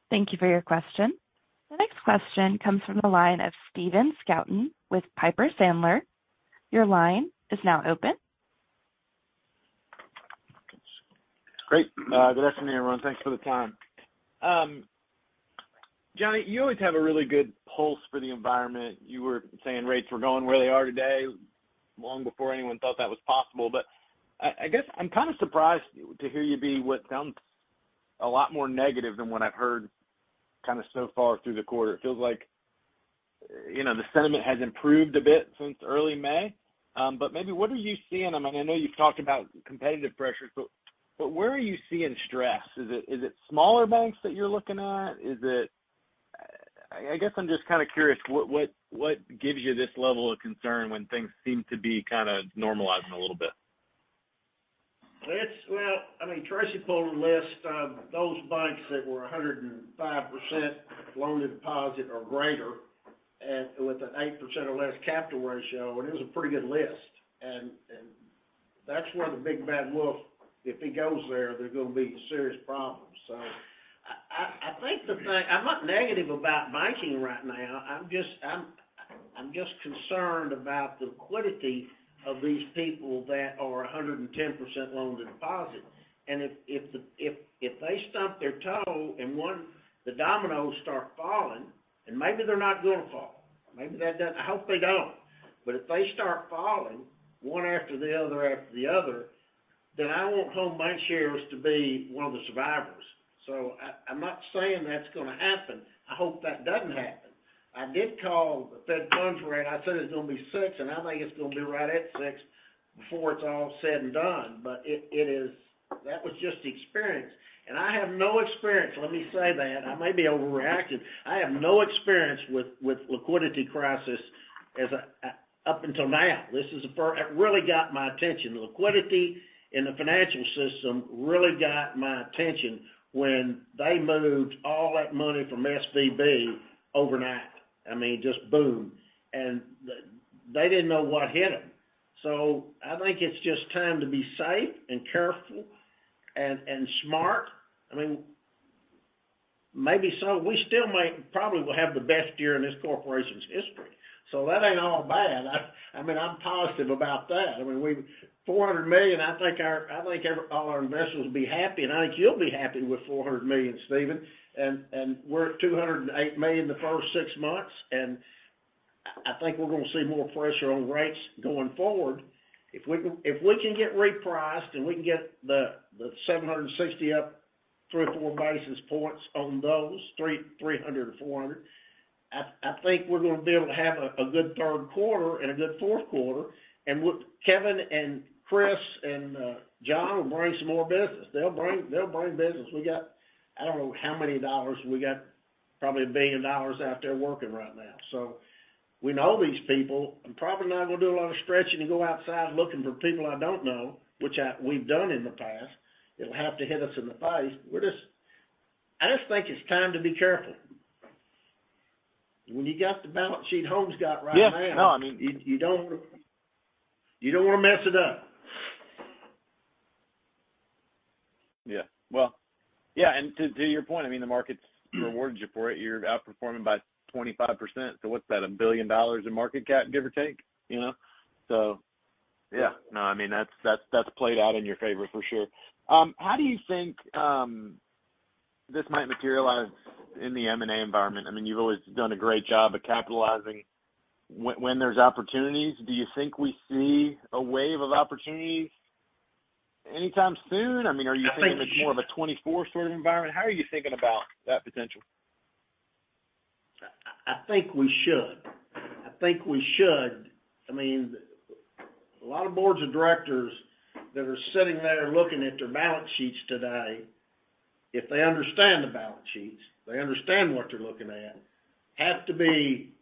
Thank you for your question. The next question comes from the line of Stephen Scouten with Piper Sandler. Your line is now open. Great. Good afternoon, everyone. Thanks for the time. Johnny, you always have a really good pulse for the environment. You were saying rates were going where they are today, long before anyone thought that was possible. I guess I'm kind of surprised to hear you be what sounds a lot more negative than what I've heard kind of so far through the quarter. It feels like, you know, the sentiment has improved a bit since early May. Maybe what are you seeing? I mean, I know you've talked about competitive pressures, where are you seeing stress? Is it smaller banks that you're looking at? I guess I'm just kind of curious, what gives you this level of concern when things seem to be kind of normalizing a little bit? It's... Well, I mean, Tracy pulled a list of those banks that were 105% loan to deposit or greater, and with an 8% or less capital ratio, and it was a pretty good list. That's where the big bad wolf, if he goes there's going to be serious problems. I think the thing. I'm not negative about banking right now. I'm just concerned about the liquidity of these people that are 110% loan to deposit. If they stump their toe and one, the dominoes start falling, and maybe they're not going to fall, maybe that doesn't... I hope they don't. If they start falling one after the other, after the other, then I want Home BancShares to be one of the survivors. I'm not saying that's going to happen. I hope that doesn't happen. I did call the fed funds rate. I said it's going to be six, I think it's going to be right at six before it's all said and done. That was just the experience. I have no experience, let me say that, I may be overreacting. I have no experience with liquidity crisis up until now. It really got my attention. Liquidity in the financial system really got my attention when they moved all that money from SVB overnight. I mean, just boom! They didn't know what hit them. I think it's just time to be safe and careful and smart. I mean, maybe so. We still might probably will have the best year in this corporation's history, that ain't all bad. I mean, I'm positive about that. I mean, we've $400 million, I think all our investors will be happy, I think you'll be happy with $400 million, Stephen. We're at $208 million the first six months, I think we're going to see more pressure on rates going forward. If we can get repriced and we can get the $760 million up 3 or 4 basis points on those $300 million or $400 million, I think we're going to be able to have a good third quarter and a good fourth quarter. With Kevin and Chris and John will bring some more business. They'll bring business. We got probably $1 billion out there working right now. We know these people. I'm probably not going to do a lot of stretching to go outside looking for people I don't know, which we've done in the past. It'll have to hit us in the face. I just think it's time to be careful. When you got the balance sheet Homes got right now. Yeah. No, I mean. You don't want to mess it up. Yeah. Well, yeah, to your point, I mean, the market's rewarded you for it. You're outperforming by 25%, what's that? $1 billion in market cap, give or take, you know? Yeah. No, I mean, that's played out in your favor for sure. How do you think this might materialize in the M&A environment? I mean, you've always done a great job at capitalizing when there's opportunities. Do you think we see a wave of opportunities anytime soon? I mean, are you thinking it's more of a 2024 sort of environment? How are you thinking about that potential? I think we should. I think we should. I mean, a lot of boards of directors that are sitting there looking at their balance sheets today, if they understand the balance sheets, they understand what they're looking at, have to be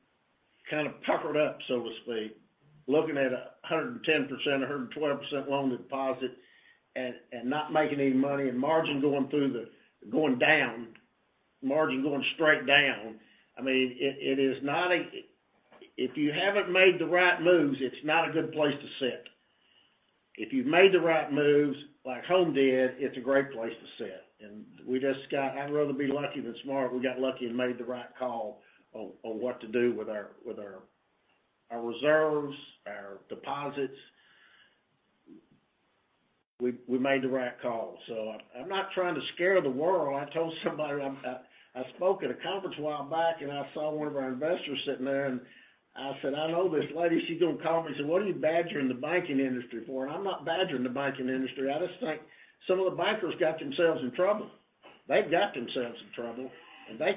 kind of puckered up, so to speak, looking at 110%, 112% loan to deposit and not making any money and margin going down, margin going straight down. I mean, if you haven't made the right moves, it's not a good place to sit. If you've made the right moves, like Home did, it's a great place to sit. I'd rather be lucky than smart. We got lucky and made the right call on what to do with our reserves, our deposits. We made the right call. I'm not trying to scare the world. I told somebody I spoke at a conference a while back, and I saw one of our investors sitting there, and I said, "I know this lady. She's going to call me," and say, "What are you badgering the banking industry for?" I'm not badgering the banking industry. I just think some of the bankers got themselves in trouble. They've got themselves in trouble, and they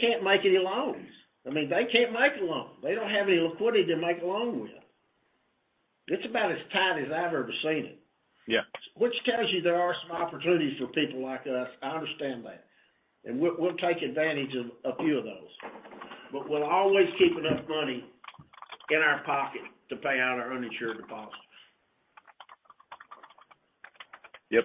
can't make any loans. I mean, they can't make a loan. They don't have any liquidity to make a loan with. It's about as tight as I've ever seen it. Yeah. Tells you there are some opportunities for people like us, I understand that. We'll take advantage of a few of those. We'll always keep enough money in our pocket to pay out our uninsured deposits. Yep.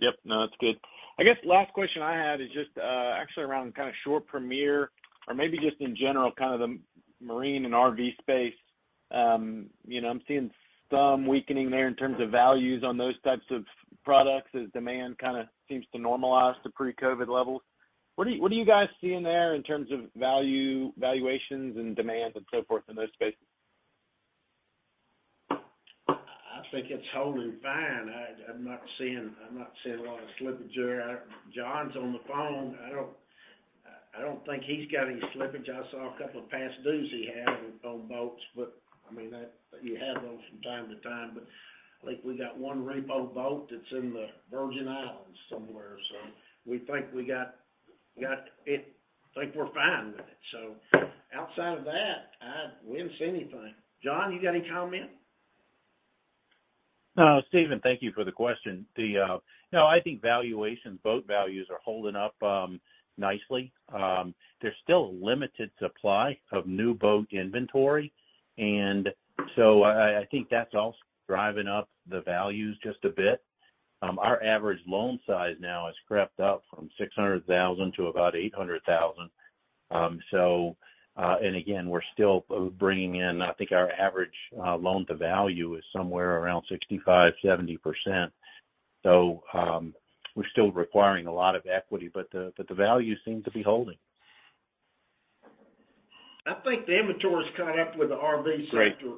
Yep. No, that's good. I guess the last question I had is just, actually, around kind of Shore Premier or maybe just in general, kind of the marine and RV space. You know, I'm seeing some weakening there in terms of values on those types of products as demand kind of seems to normalize to pre-COVID levels. What do you guys see in there in terms of value, valuations, and demand and so forth in those spaces? I think it's holding fine. I'm not seeing a lot of slippage there. John's on the phone. I don't think he's got any slippage. I saw a couple of past dues he had on boats, but, I mean, that, you have those from time to time, but I think we got one repo boat that's in the Virgin Islands somewhere, so we think we got it... I think we're fine with it. Outside of that, we haven't seen anything. John, you got any comment? Stephen, thank you for the question. No, I think valuations, boat values are holding up nicely. There's still limited supply of new boat inventory, I think that's also driving up the values just a bit. Our average loan size now has crept up from $600,000 to about $800,000. And again, we're still bringing in, I think, our average loan-to-value is somewhere around 65%-70%. We're still requiring a lot of equity, but the values seem to be holding. I think the inventory is caught up with the RV sector,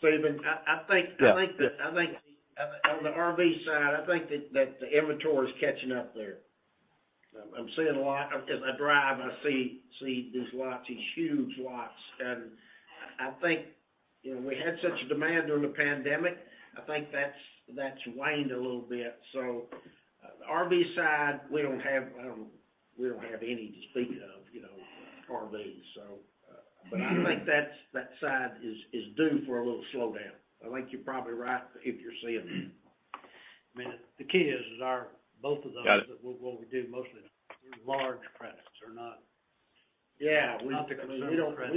Stephen. Yeah. I think that on the RV side, I think that the inventory is catching up there. I'm seeing a lot as I drive, I see these lots, these huge lots. I think, you know, we had such demand during the pandemic. I think that's waned a little bit. RV side, we don't have, we don't have any to speak of, you know, RVs. I think that side is due for a little slowdown. I think you're probably right if you're seeing it. I mean, the key is our, both of those. Got it. what we do, mostly large credits or not. Yeah. Not the consumer credits.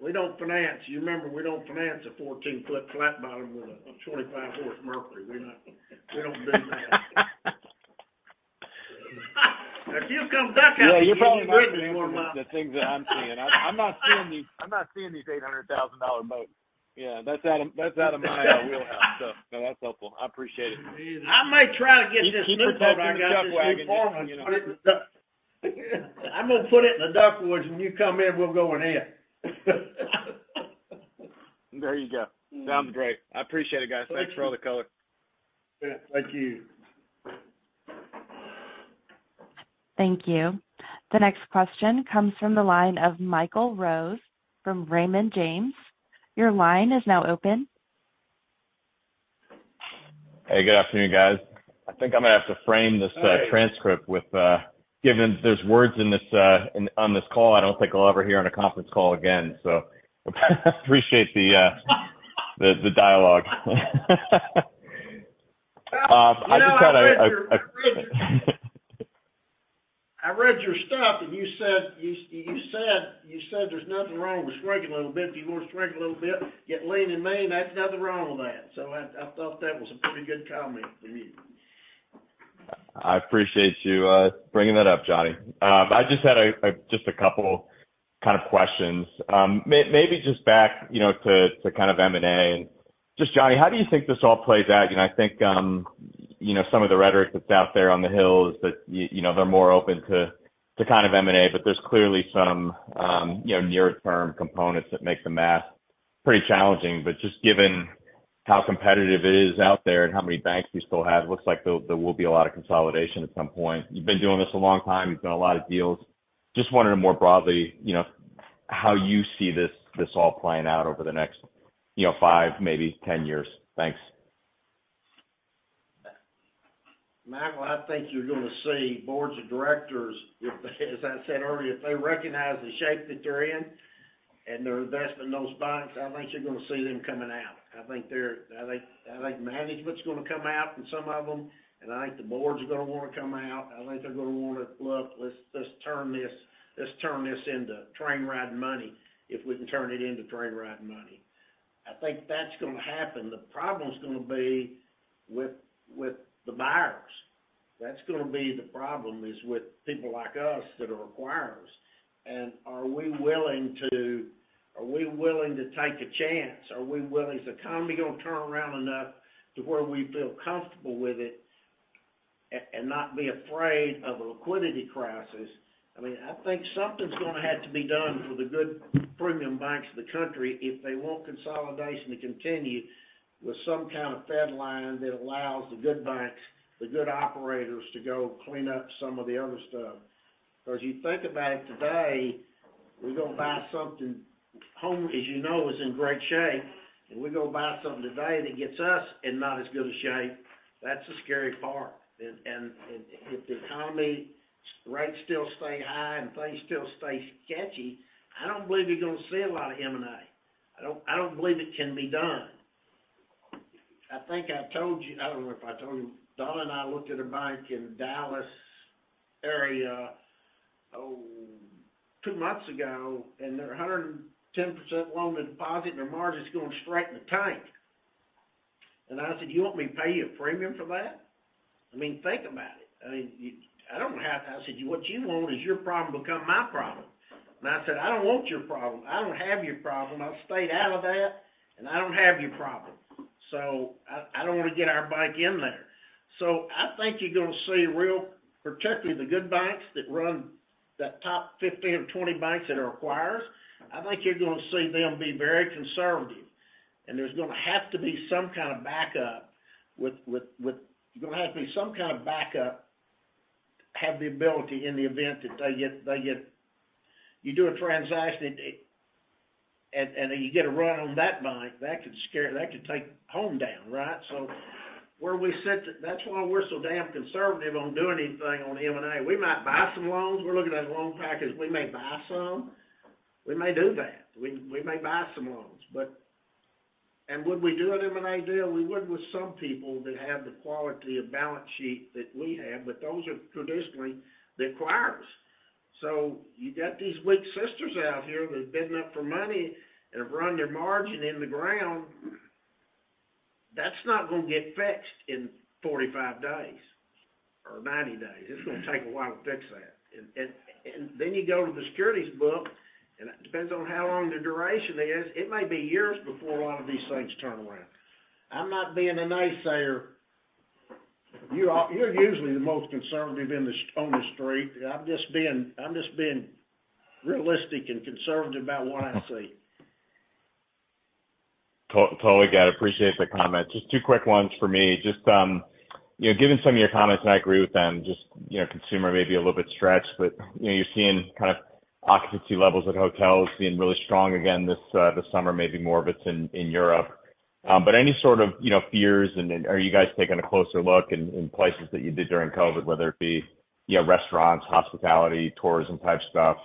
We don't finance. You remember, we don't finance a 14 ft flat bottom with a 25 horse Mercury. We don't do that. If you come back out. Yeah, you're probably not seeing the things that I'm seeing. I'm not seeing these, I'm not seeing these $800,000 boats. Yeah, that's out of my wheelhouse. No, that's helpful. I appreciate it. I may try to get this. Keep your boat in the duck wagon, you know. I'm gonna put it in the duck woods, when you come in, we'll go in here. There you go. Sounds great. I appreciate it, guys. Thanks for all the color. Yeah, thank you. Thank you. The next question comes from the line of Michael Rose from Raymond James. Your line is now open. Hey, good afternoon, guys. I think I'm gonna have to frame this transcript given there's words in this on this call, I don't think I'll ever hear on a conference call again. I appreciate the dialogue. I read your stuff, you said, "There's nothing wrong with drinking a little bit. If you want to drink a little bit, get lean and mean, there's nothing wrong with that." I thought that was a pretty good comment from you. I appreciate you bringing that up, Johnny. I just had a couple kind of questions. Maybe just back, you know, to kind of M&A. Just, Johnny, how do you think this all plays out? You know, I think, you know, some of the rhetoric that's out there on the Hill is that, you know, they're more open to kind of M&A, but there's clearly some, you know, near-term components that make the math pretty challenging. Just given how competitive it is out there and how many banks we still have, it looks like there will be a lot of consolidation at some point. You've been doing this a long time. You've done a lot of deals. Just wondering, more broadly, you know, how you see this all playing out over the next, you know, five, maybe 10 years? Thanks. Michael, I think you're going to see boards of directors, if they, as I said earlier, if they recognize the shape that they're in and their investment in those banks, I think you're going to see them coming out. I think management's gonna come out in some of them, and I think the boards are gonna want to come out. I think they're gonna want to: "Look, let's turn this, let's turn this into train ride money, if we can turn it into train ride money." I think that's gonna happen. The problem's gonna be with the buyers. That's gonna be the problem, is with people like us that are acquirers. Are we willing to take a chance? Is the economy gonna turn around enough to where we feel comfortable with it and not be afraid of a liquidity crisis? I mean, I think something's gonna have to be done for the good premium banks of the country if they want consolidation to continue with some kind of Fed line that allows the good banks, the good operators, to go clean up some of the other stuff. Because you think about it today, we're gonna buy something. Home, as you know, is in great shape, and we go buy something today that gets us in not as good a shape, that's the scary part. If the economy rates still stay high, and things still stay sketchy, I don't believe you're going to see a lot of M&A. I don't believe it can be done. I think I've told you, I don't know if I told you, Donna and I looked at a bank in Dallas area, oh, two months ago. They're 110% loan to deposit, and their margin is going straight in the tank. I said, "You want me to pay you a premium for that?" I mean, think about it. I mean, you I don't have... I said, "What you want is your problem to become my problem." I said, "I don't want your problem. I don't have your problem. I've stayed out of that, and I don't have your problem, so I don't want to get our bank in there." I think you're going to see real, particularly the good banks that run the top 15 or 20 banks that are acquirers, I think you're going to see them be very conservative, and there's going to have to be some kind of backup with there's going to have to be some kind of backup, have the ability in the event that they get You do a transaction, it and you get a run on that bank, that could scare, that could take Home down, right? Where we sit, that's why we're so damn conservative on doing anything on M&A. We might buy some loans. We're looking at loan packages. We may buy some. We may do that. We may buy some loans, but. Would we do an M&A deal? We would with some people that have the quality of balance sheet that we have, but those are traditionally the acquirers. You got these weak sisters out here who've been up for money and have run their margin in the ground. That's not going to get fixed in 45 days or 90 days. It's going to take a while to fix that. You go to the securities book, and it depends on how long the duration is. It may be years before a lot of these things turn around. I'm not being a naysayer. You are, you're usually the most conservative in the, on the street. I'm just being realistic and conservative about what I see. Totally get it. Appreciate the comments. Just two quick ones for me. Just, you know, given some of your comments, and I agree with them, just, you know, consumer may be a little bit stretched, but, you know, you're seeing kind of occupancy levels at hotels being really strong again this summer, maybe more of it's in Europe. But any sort of, you know, fears and, are you guys taking a closer look in places that you did during COVID, whether it be, you have restaurants, hospitality, tourism type stuff,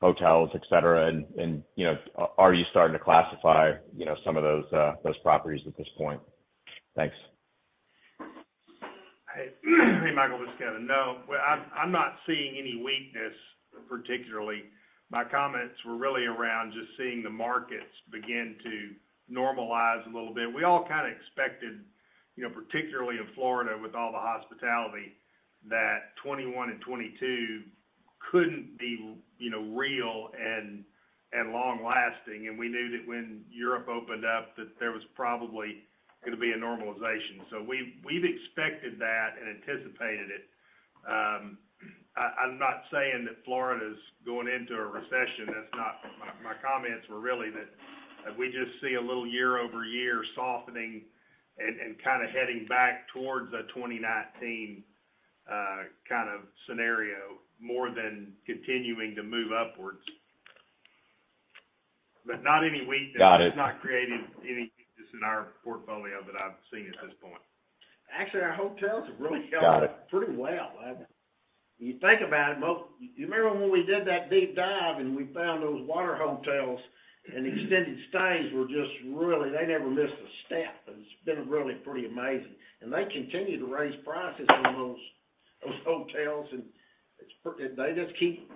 hotels, et cetera, and, you know, are you starting to classify, you know, some of those properties at this point? Thanks. Hey, hey, Michael, this is Kevin. No, well, I'm not seeing any weakness, particularly. My comments were really around just seeing the markets begin to normalize a little bit. We all kind of expected, you know, particularly in Florida, with all the hospitality, that 2021 and 2022 couldn't be, you know, real and long lasting, and we knew that when Europe opened up, that there was probably going to be a normalization. We've expected that and anticipated it. I'm not saying that Florida is going into a recession. That's not. My comments were really that we just see a little year-over-year softening and kind of heading back towards a 2019 kind of scenario more than continuing to move upwards. Not any weakness. Got it. It's not creating any weakness in our portfolio that I've seen at this point. Actually, our hotels have really held up... Got it. pretty well. You think about it, you remember when we did that deep dive, and we found those water hotels, and extended stays were just really, they never missed a step. It's been really pretty amazing. They continue to raise prices on those hotels, and they just keep,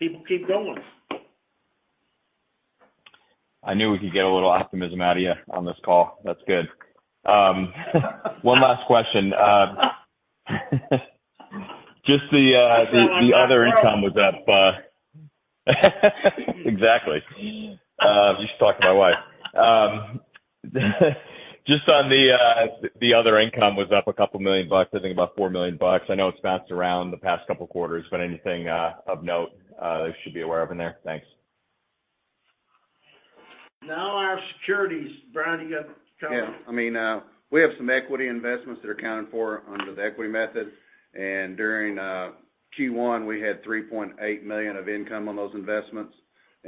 people keep going. I knew we could get a little optimism out of you on this call. That's good. One last question. Just the other income was up exactly. Just talking to my wife. Just on the other income was up a couple million bucks, I think about $4 million. I know it's bounced around the past couple quarters, but anything of note I should be aware of in there? Thanks. Now, our securities, Brian, do you got cover? I mean, we have some equity investments that are accounted for under the equity method. During Q1, we had $3.8 million of income on those investments.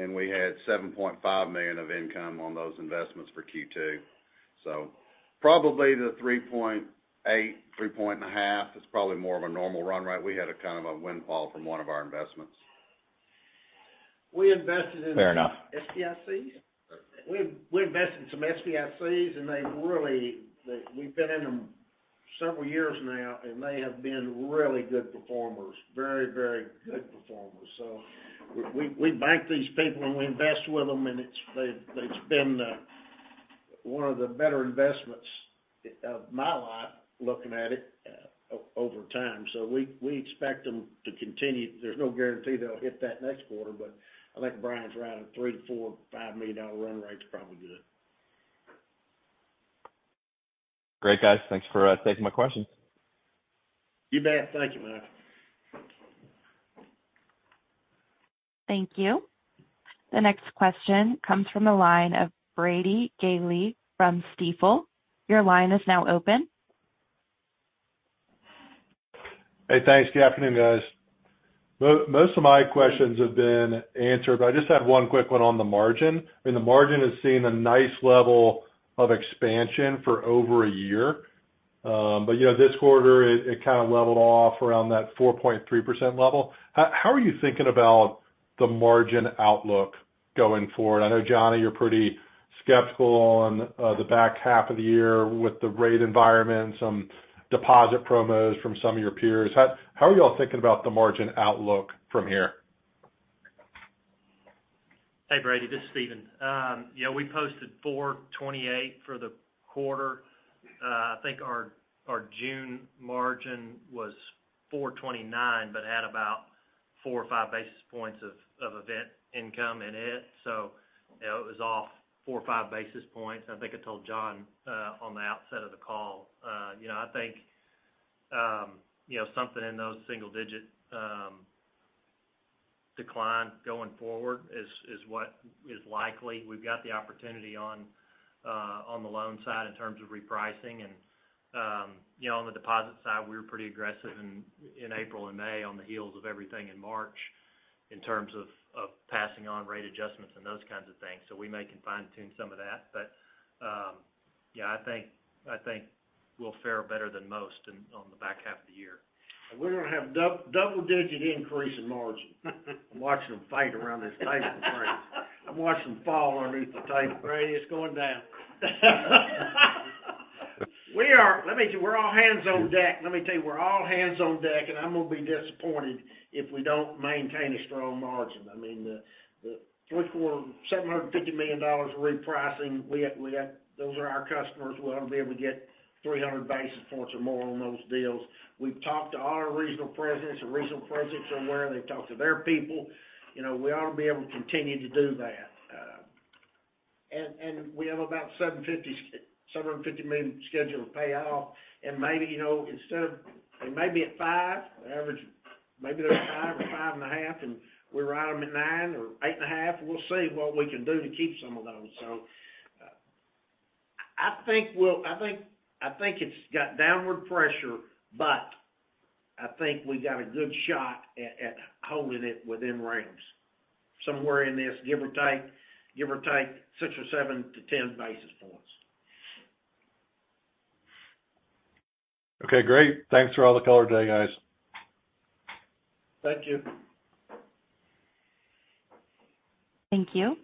We had $7.5 million of income on those investments for Q2. Probably the $3.8 million, $3.5 million, is probably more of a normal run, right? We had a kind of a windfall from one of our investments. We invested in- Fair enough. SBICs. We invested in some SBICs, and they really we've been in them several years now, and they have been really good performers. Very, very good performers. We bank these people, and we invest with them, and it's, they've been one of the better investments of my life, looking at it over time. We expect them to continue. There's no guarantee they'll hit that next quarter, but I think Brian's around a $3 million-$5 million run-rate is probably good. Great, guys. Thanks for taking my questions. You bet. Thank you, man. Thank you. The next question comes from the line of Brady Gailey from Stifel. Your line is now open. Hey, thanks. Good afternoon, guys. Most of my questions have been answered. I just had one quick one on the margin. I mean, the margin has seen a nice level of expansion for over a year. You know, this quarter, it kind of leveled off around that 4.3% level. How are you thinking about the margin outlook going forward? I know, Johnny, you're pretty skeptical on the back half of the year with the rate environment, some deposit promos from some of your peers. How are you all thinking about the margin outlook from here? Hey, Brady, this is Stephen. Yeah, we posted 4.28% for the quarter. I think our June margin was 4.29%, but had about 4 or 5 basis points of event income in it. You know, it was off 4 or 5 basis points. I think I told John on the outset of the call, you know, I think, you know, something in those single digit decline going forward is what is likely. We've got the opportunity on the loan side in terms of repricing. You know, on the deposit side, we were pretty aggressive in April and May on the heels of everything in March, in terms of passing on rate adjustments and those kinds of things. We may can fine-tune some of that. Yeah, I think we'll fare better than most in, on the back half of the year. We're going to have double-digit increase in margin. I'm watching them fight around this table, friends. I'm watching them fall underneath the table. Brady, it's going down. Let me tell you, we're all hands on deck. Let me tell you, we're all hands on deck, and I'm going to be disappointed if we don't maintain a strong margin. I mean, the three quarter, $750 million repricing, we have those are our customers. We ought to be able to get 300 basis points or more on those deals. We've talked to our regional presidents, and regional presidents are aware, and they've talked to their people. You know, we ought to be able to continue to do that. And we have about $750 million scheduled to pay off, and maybe, you know, instead of... It may be at 5, average, maybe they're at 5 or 5.5, and we ride them at 9 or 8.5. We'll see what we can do to keep some of those. I think it's got downward pressure, but I think we've got a good shot at holding it within range. Somewhere in this, give or take, 6 or 7 to 10 basis points. Okay, great. Thanks for all the color today, guys. Thank you. Thank you.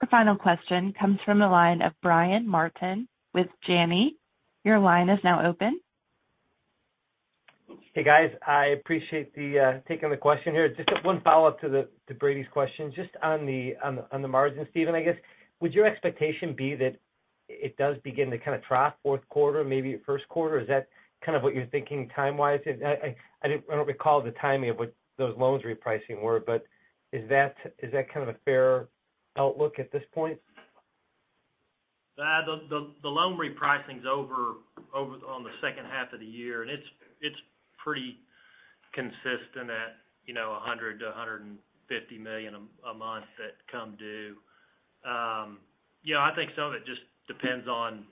The final question comes from the line of Brian Martin with Janney. Your line is now open. Hey, guys. I appreciate the taking the question here. Just one follow-up to Brady's question. Just on the margin, Stephen, I guess, would your expectation be that it does begin to kind of track fourth quarter, maybe first quarter? Is that kind of what you're thinking time-wise? I don't recall the timing of what those loans repricing were, but is that kind of a fair outlook at this point? The loan repricing is over on the second half of the year. It's pretty consistent at, you know, $100 million-$150 million a month that come due. Yeah, I think some of it just depends on,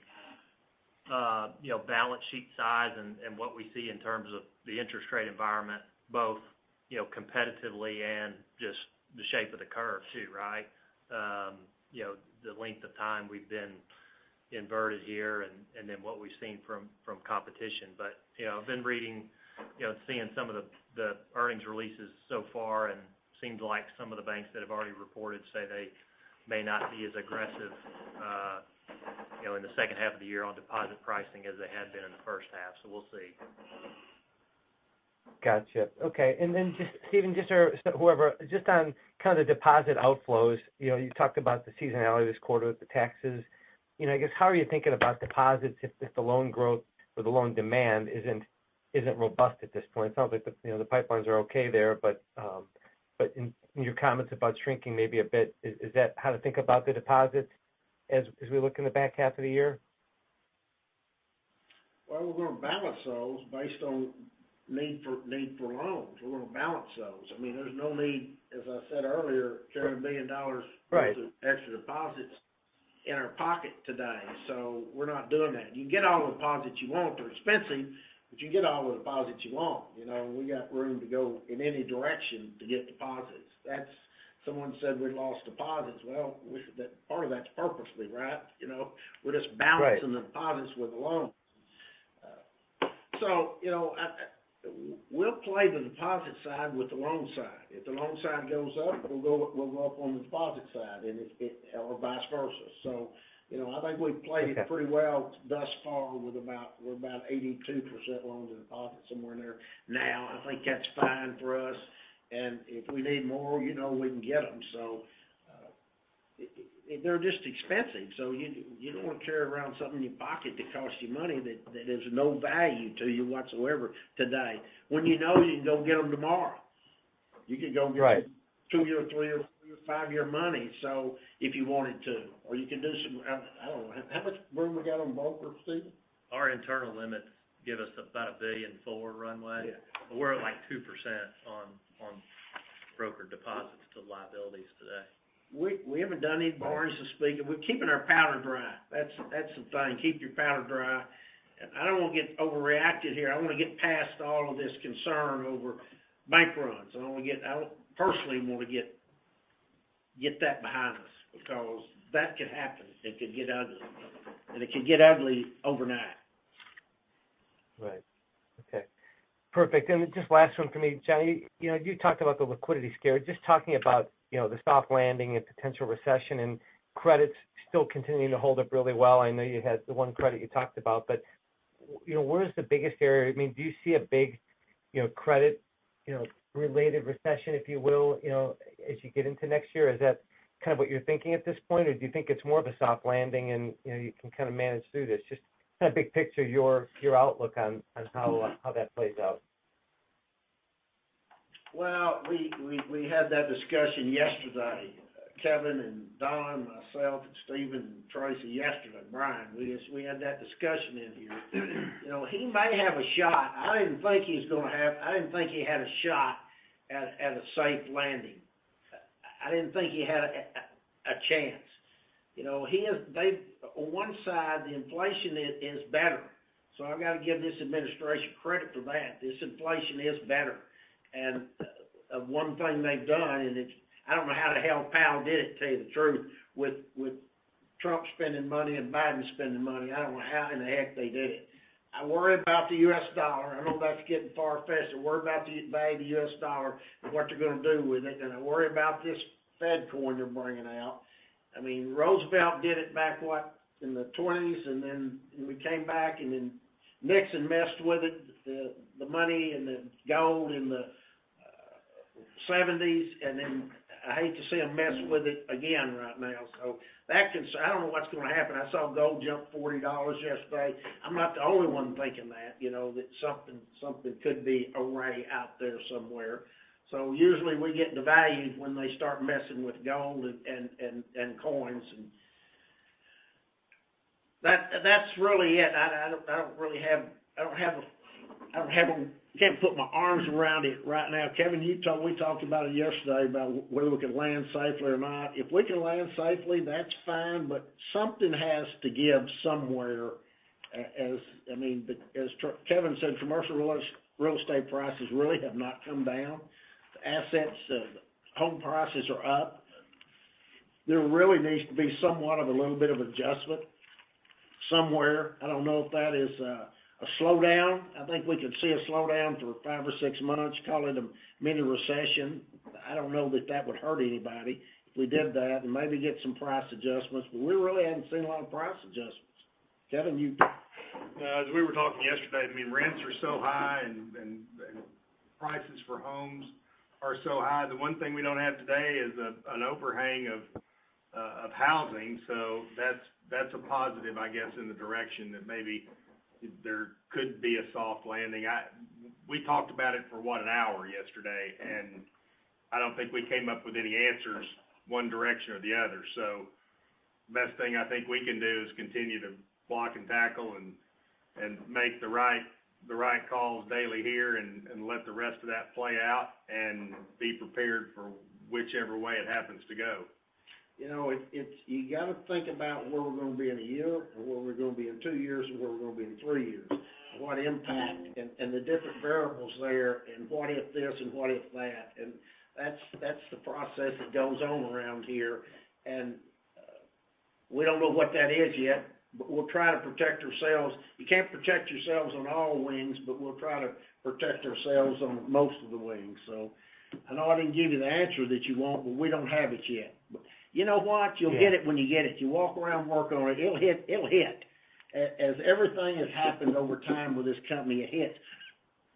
you know, balance sheet size and what we see in terms of the interest rate environment, both, you know, competitively and just the shape of the curve, too, right? You know, the length of time we've been inverted here and then what we've seen from competition. you know, I've been reading, you know, seeing some of the earnings releases so far and seems like some of the banks that have already reported say they may not be as aggressive, you know, in the second half of the year on deposit pricing as they had been in the first half. We'll see. Gotcha. Okay. Just, Stephen, just or whoever, just on kind of deposit outflows, you know, you talked about the seasonality this quarter with the taxes. You know, I guess, how are you thinking about deposits if the loan growth or the loan demand isn't robust at this point? It sounds like the, you know, the pipelines are okay there, but in your comments about shrinking maybe a bit, is that how to think about the deposits as we look in the back half of the year? Well, we're going to balance those based on need for loans. We're going to balance those. I mean, there's no need, as I said earlier, carrying $1 billion. Right. of extra deposits in our pocket today. We're not doing that. You can get all the deposits you want. They're expensive. You can get all the deposits you want. You know, we got room to go in any direction to get deposits. That's. Someone said we lost deposits. We, part of that's purposely, right? You know, we're just balancing. Right. the deposits with the loans. you know, at, we'll play the deposit side with the loan side. If the loan side goes up, we'll go up on the deposit side, and it, or vice versa. you know, I think we've played it. Okay. pretty well thus far with about, we're about 82% loans and deposits, somewhere in there. I think that's fine for us, and if we need more, you know, we can get them, they're just expensive. You, you don't want to carry around something in your pocket that costs you money, that is of no value to you whatsoever today, when you know you can go get them tomorrow. Right. two-year, or three-year, or five-year money, so if you wanted to, or you could do some... I don't know. How much room we got on broker, Stephen? Our internal limits give us about $1 billion forward runway. Yeah. We're at, like, 2% on broker deposits to liabilities today. We haven't done any borrowing so to speak. We're keeping our powder dry. That's the thing, keep your powder dry. I don't want to get overreacted here. I want to get past all of this concern over bank runs. I personally want to get that behind us, because that could happen. It could get ugly, and it could get ugly overnight. Right. Okay, perfect. Just last one for me, Johnny. You know, you talked about the liquidity scare, just talking about, you know, the soft landing and potential recession and credits still continuing to hold up really well. I know you had the one credit you talked about, but, you know, where is the biggest area? I mean, do you see a big, you know, credit, you know, related recession, if you will, you know, as you get into next year? Is that kind of what you're thinking at this point, or do you think it's more of a soft landing and, you know, you can kind of manage through this? Just kind of big picture, your outlook on how that plays out? Well, we had that discussion yesterday, Kevin and Donna, myself, and Stephen, and Tracy yesterday, Brian, we had that discussion in here. You know, he might have a shot. I didn't think he had a shot at a safe landing. I didn't think he had a chance. You know, they've On one side, the inflation is better. I've got to give this administration credit for that. This inflation is better. One thing they've done, and it's I don't know how the hell Powell did it, to tell you the truth, with Trump spending money and Biden spending money, I don't know how in the heck they did it. I worry about the US dollar. I know that's getting far-fetched. I worry about the value of the US dollar and what they're going to do with it. I worry about this Fedcoin they're bringing out. I mean, Roosevelt did it back, what, in the '20s. We came back. Nixon messed with it, the money and the gold in the '70s. I hate to see them mess with it again right now. I don't know what's going to happen. I saw gold jump $40 yesterday. I'm not the only one thinking that, you know, that something could be array out there somewhere. Usually we get devalued when they start messing with gold and coins. That's really it. I don't really have. I don't have a. I can't put my arms around it right now. Kevin, you talked, we talked about it yesterday, about whether we can land safely or not. If we can land safely, that's fine, but something has to give somewhere. I mean, as Kevin said, commercial real estate prices really have not come down. The assets, the home prices are up. There really needs to be somewhat of a little bit of adjustment somewhere. I don't know if that is a slowdown. I think we could see a slowdown for five or six months, call it a mini recession. I don't know that that would hurt anybody if we did that and maybe get some price adjustments, but we really haven't seen a lot of price adjustments. Kevin, you? As we were talking yesterday, I mean, rents are so high and prices for homes are so high. The one thing we don't have today is an overhang of housing, so that's a positive, I guess, in the direction that maybe there could be a soft landing. We talked about it for, what, an hour yesterday, and I don't think we came up with any answers, one direction or the other. The best thing I think we can do is continue to block and tackle and make the right calls daily here and let the rest of that play out and be prepared for whichever way it happens to go. You know, it's you got to think about where we're going to be in a year, or where we're going to be in two years, and where we're going to be in three years. What impact and the different variables there, and what if this, and what if that? That's, that's the process that goes on around here, and we don't know what that is yet, but we'll try to protect ourselves. You can't protect yourselves on all wings, but we'll try to protect ourselves on most of the wings. I know I didn't give you the answer that you want, but we don't have it yet. You know what? Yeah. You'll get it when you get it. You walk around, work on it'll hit, it'll hit. As everything that happened over time with this company, it hits.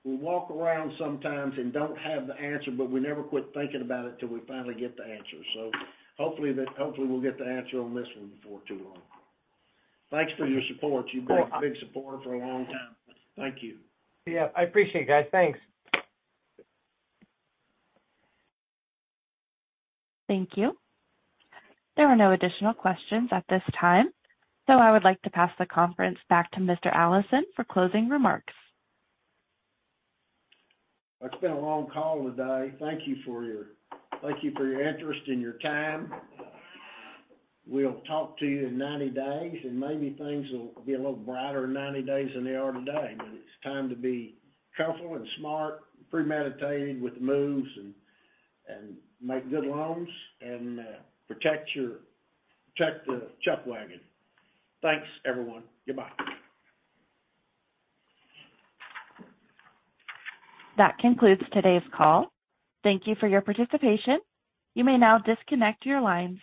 We walk around sometimes and don't have the answer, but we never quit thinking about it till we finally get the answer. Hopefully we'll get the answer on this one before too long. Thanks for your support. You've been a big supporter for a long time. Thank you. Yeah, I appreciate it, guys. Thanks. Thank you. There are no additional questions at this time. I would like to pass the conference back to Mr. Allison for closing remarks. It's been a long call today. Thank you for your interest and your time. We'll talk to you in 90 days, and maybe things will be a little brighter in 90 days than they are today. It's time to be careful and smart, premeditated with the moves, and make good loans, protect the Chuck Wagon. Thanks, everyone. Goodbye. That concludes today's call. Thank Thank you for your participation. You may now disconnect your lines.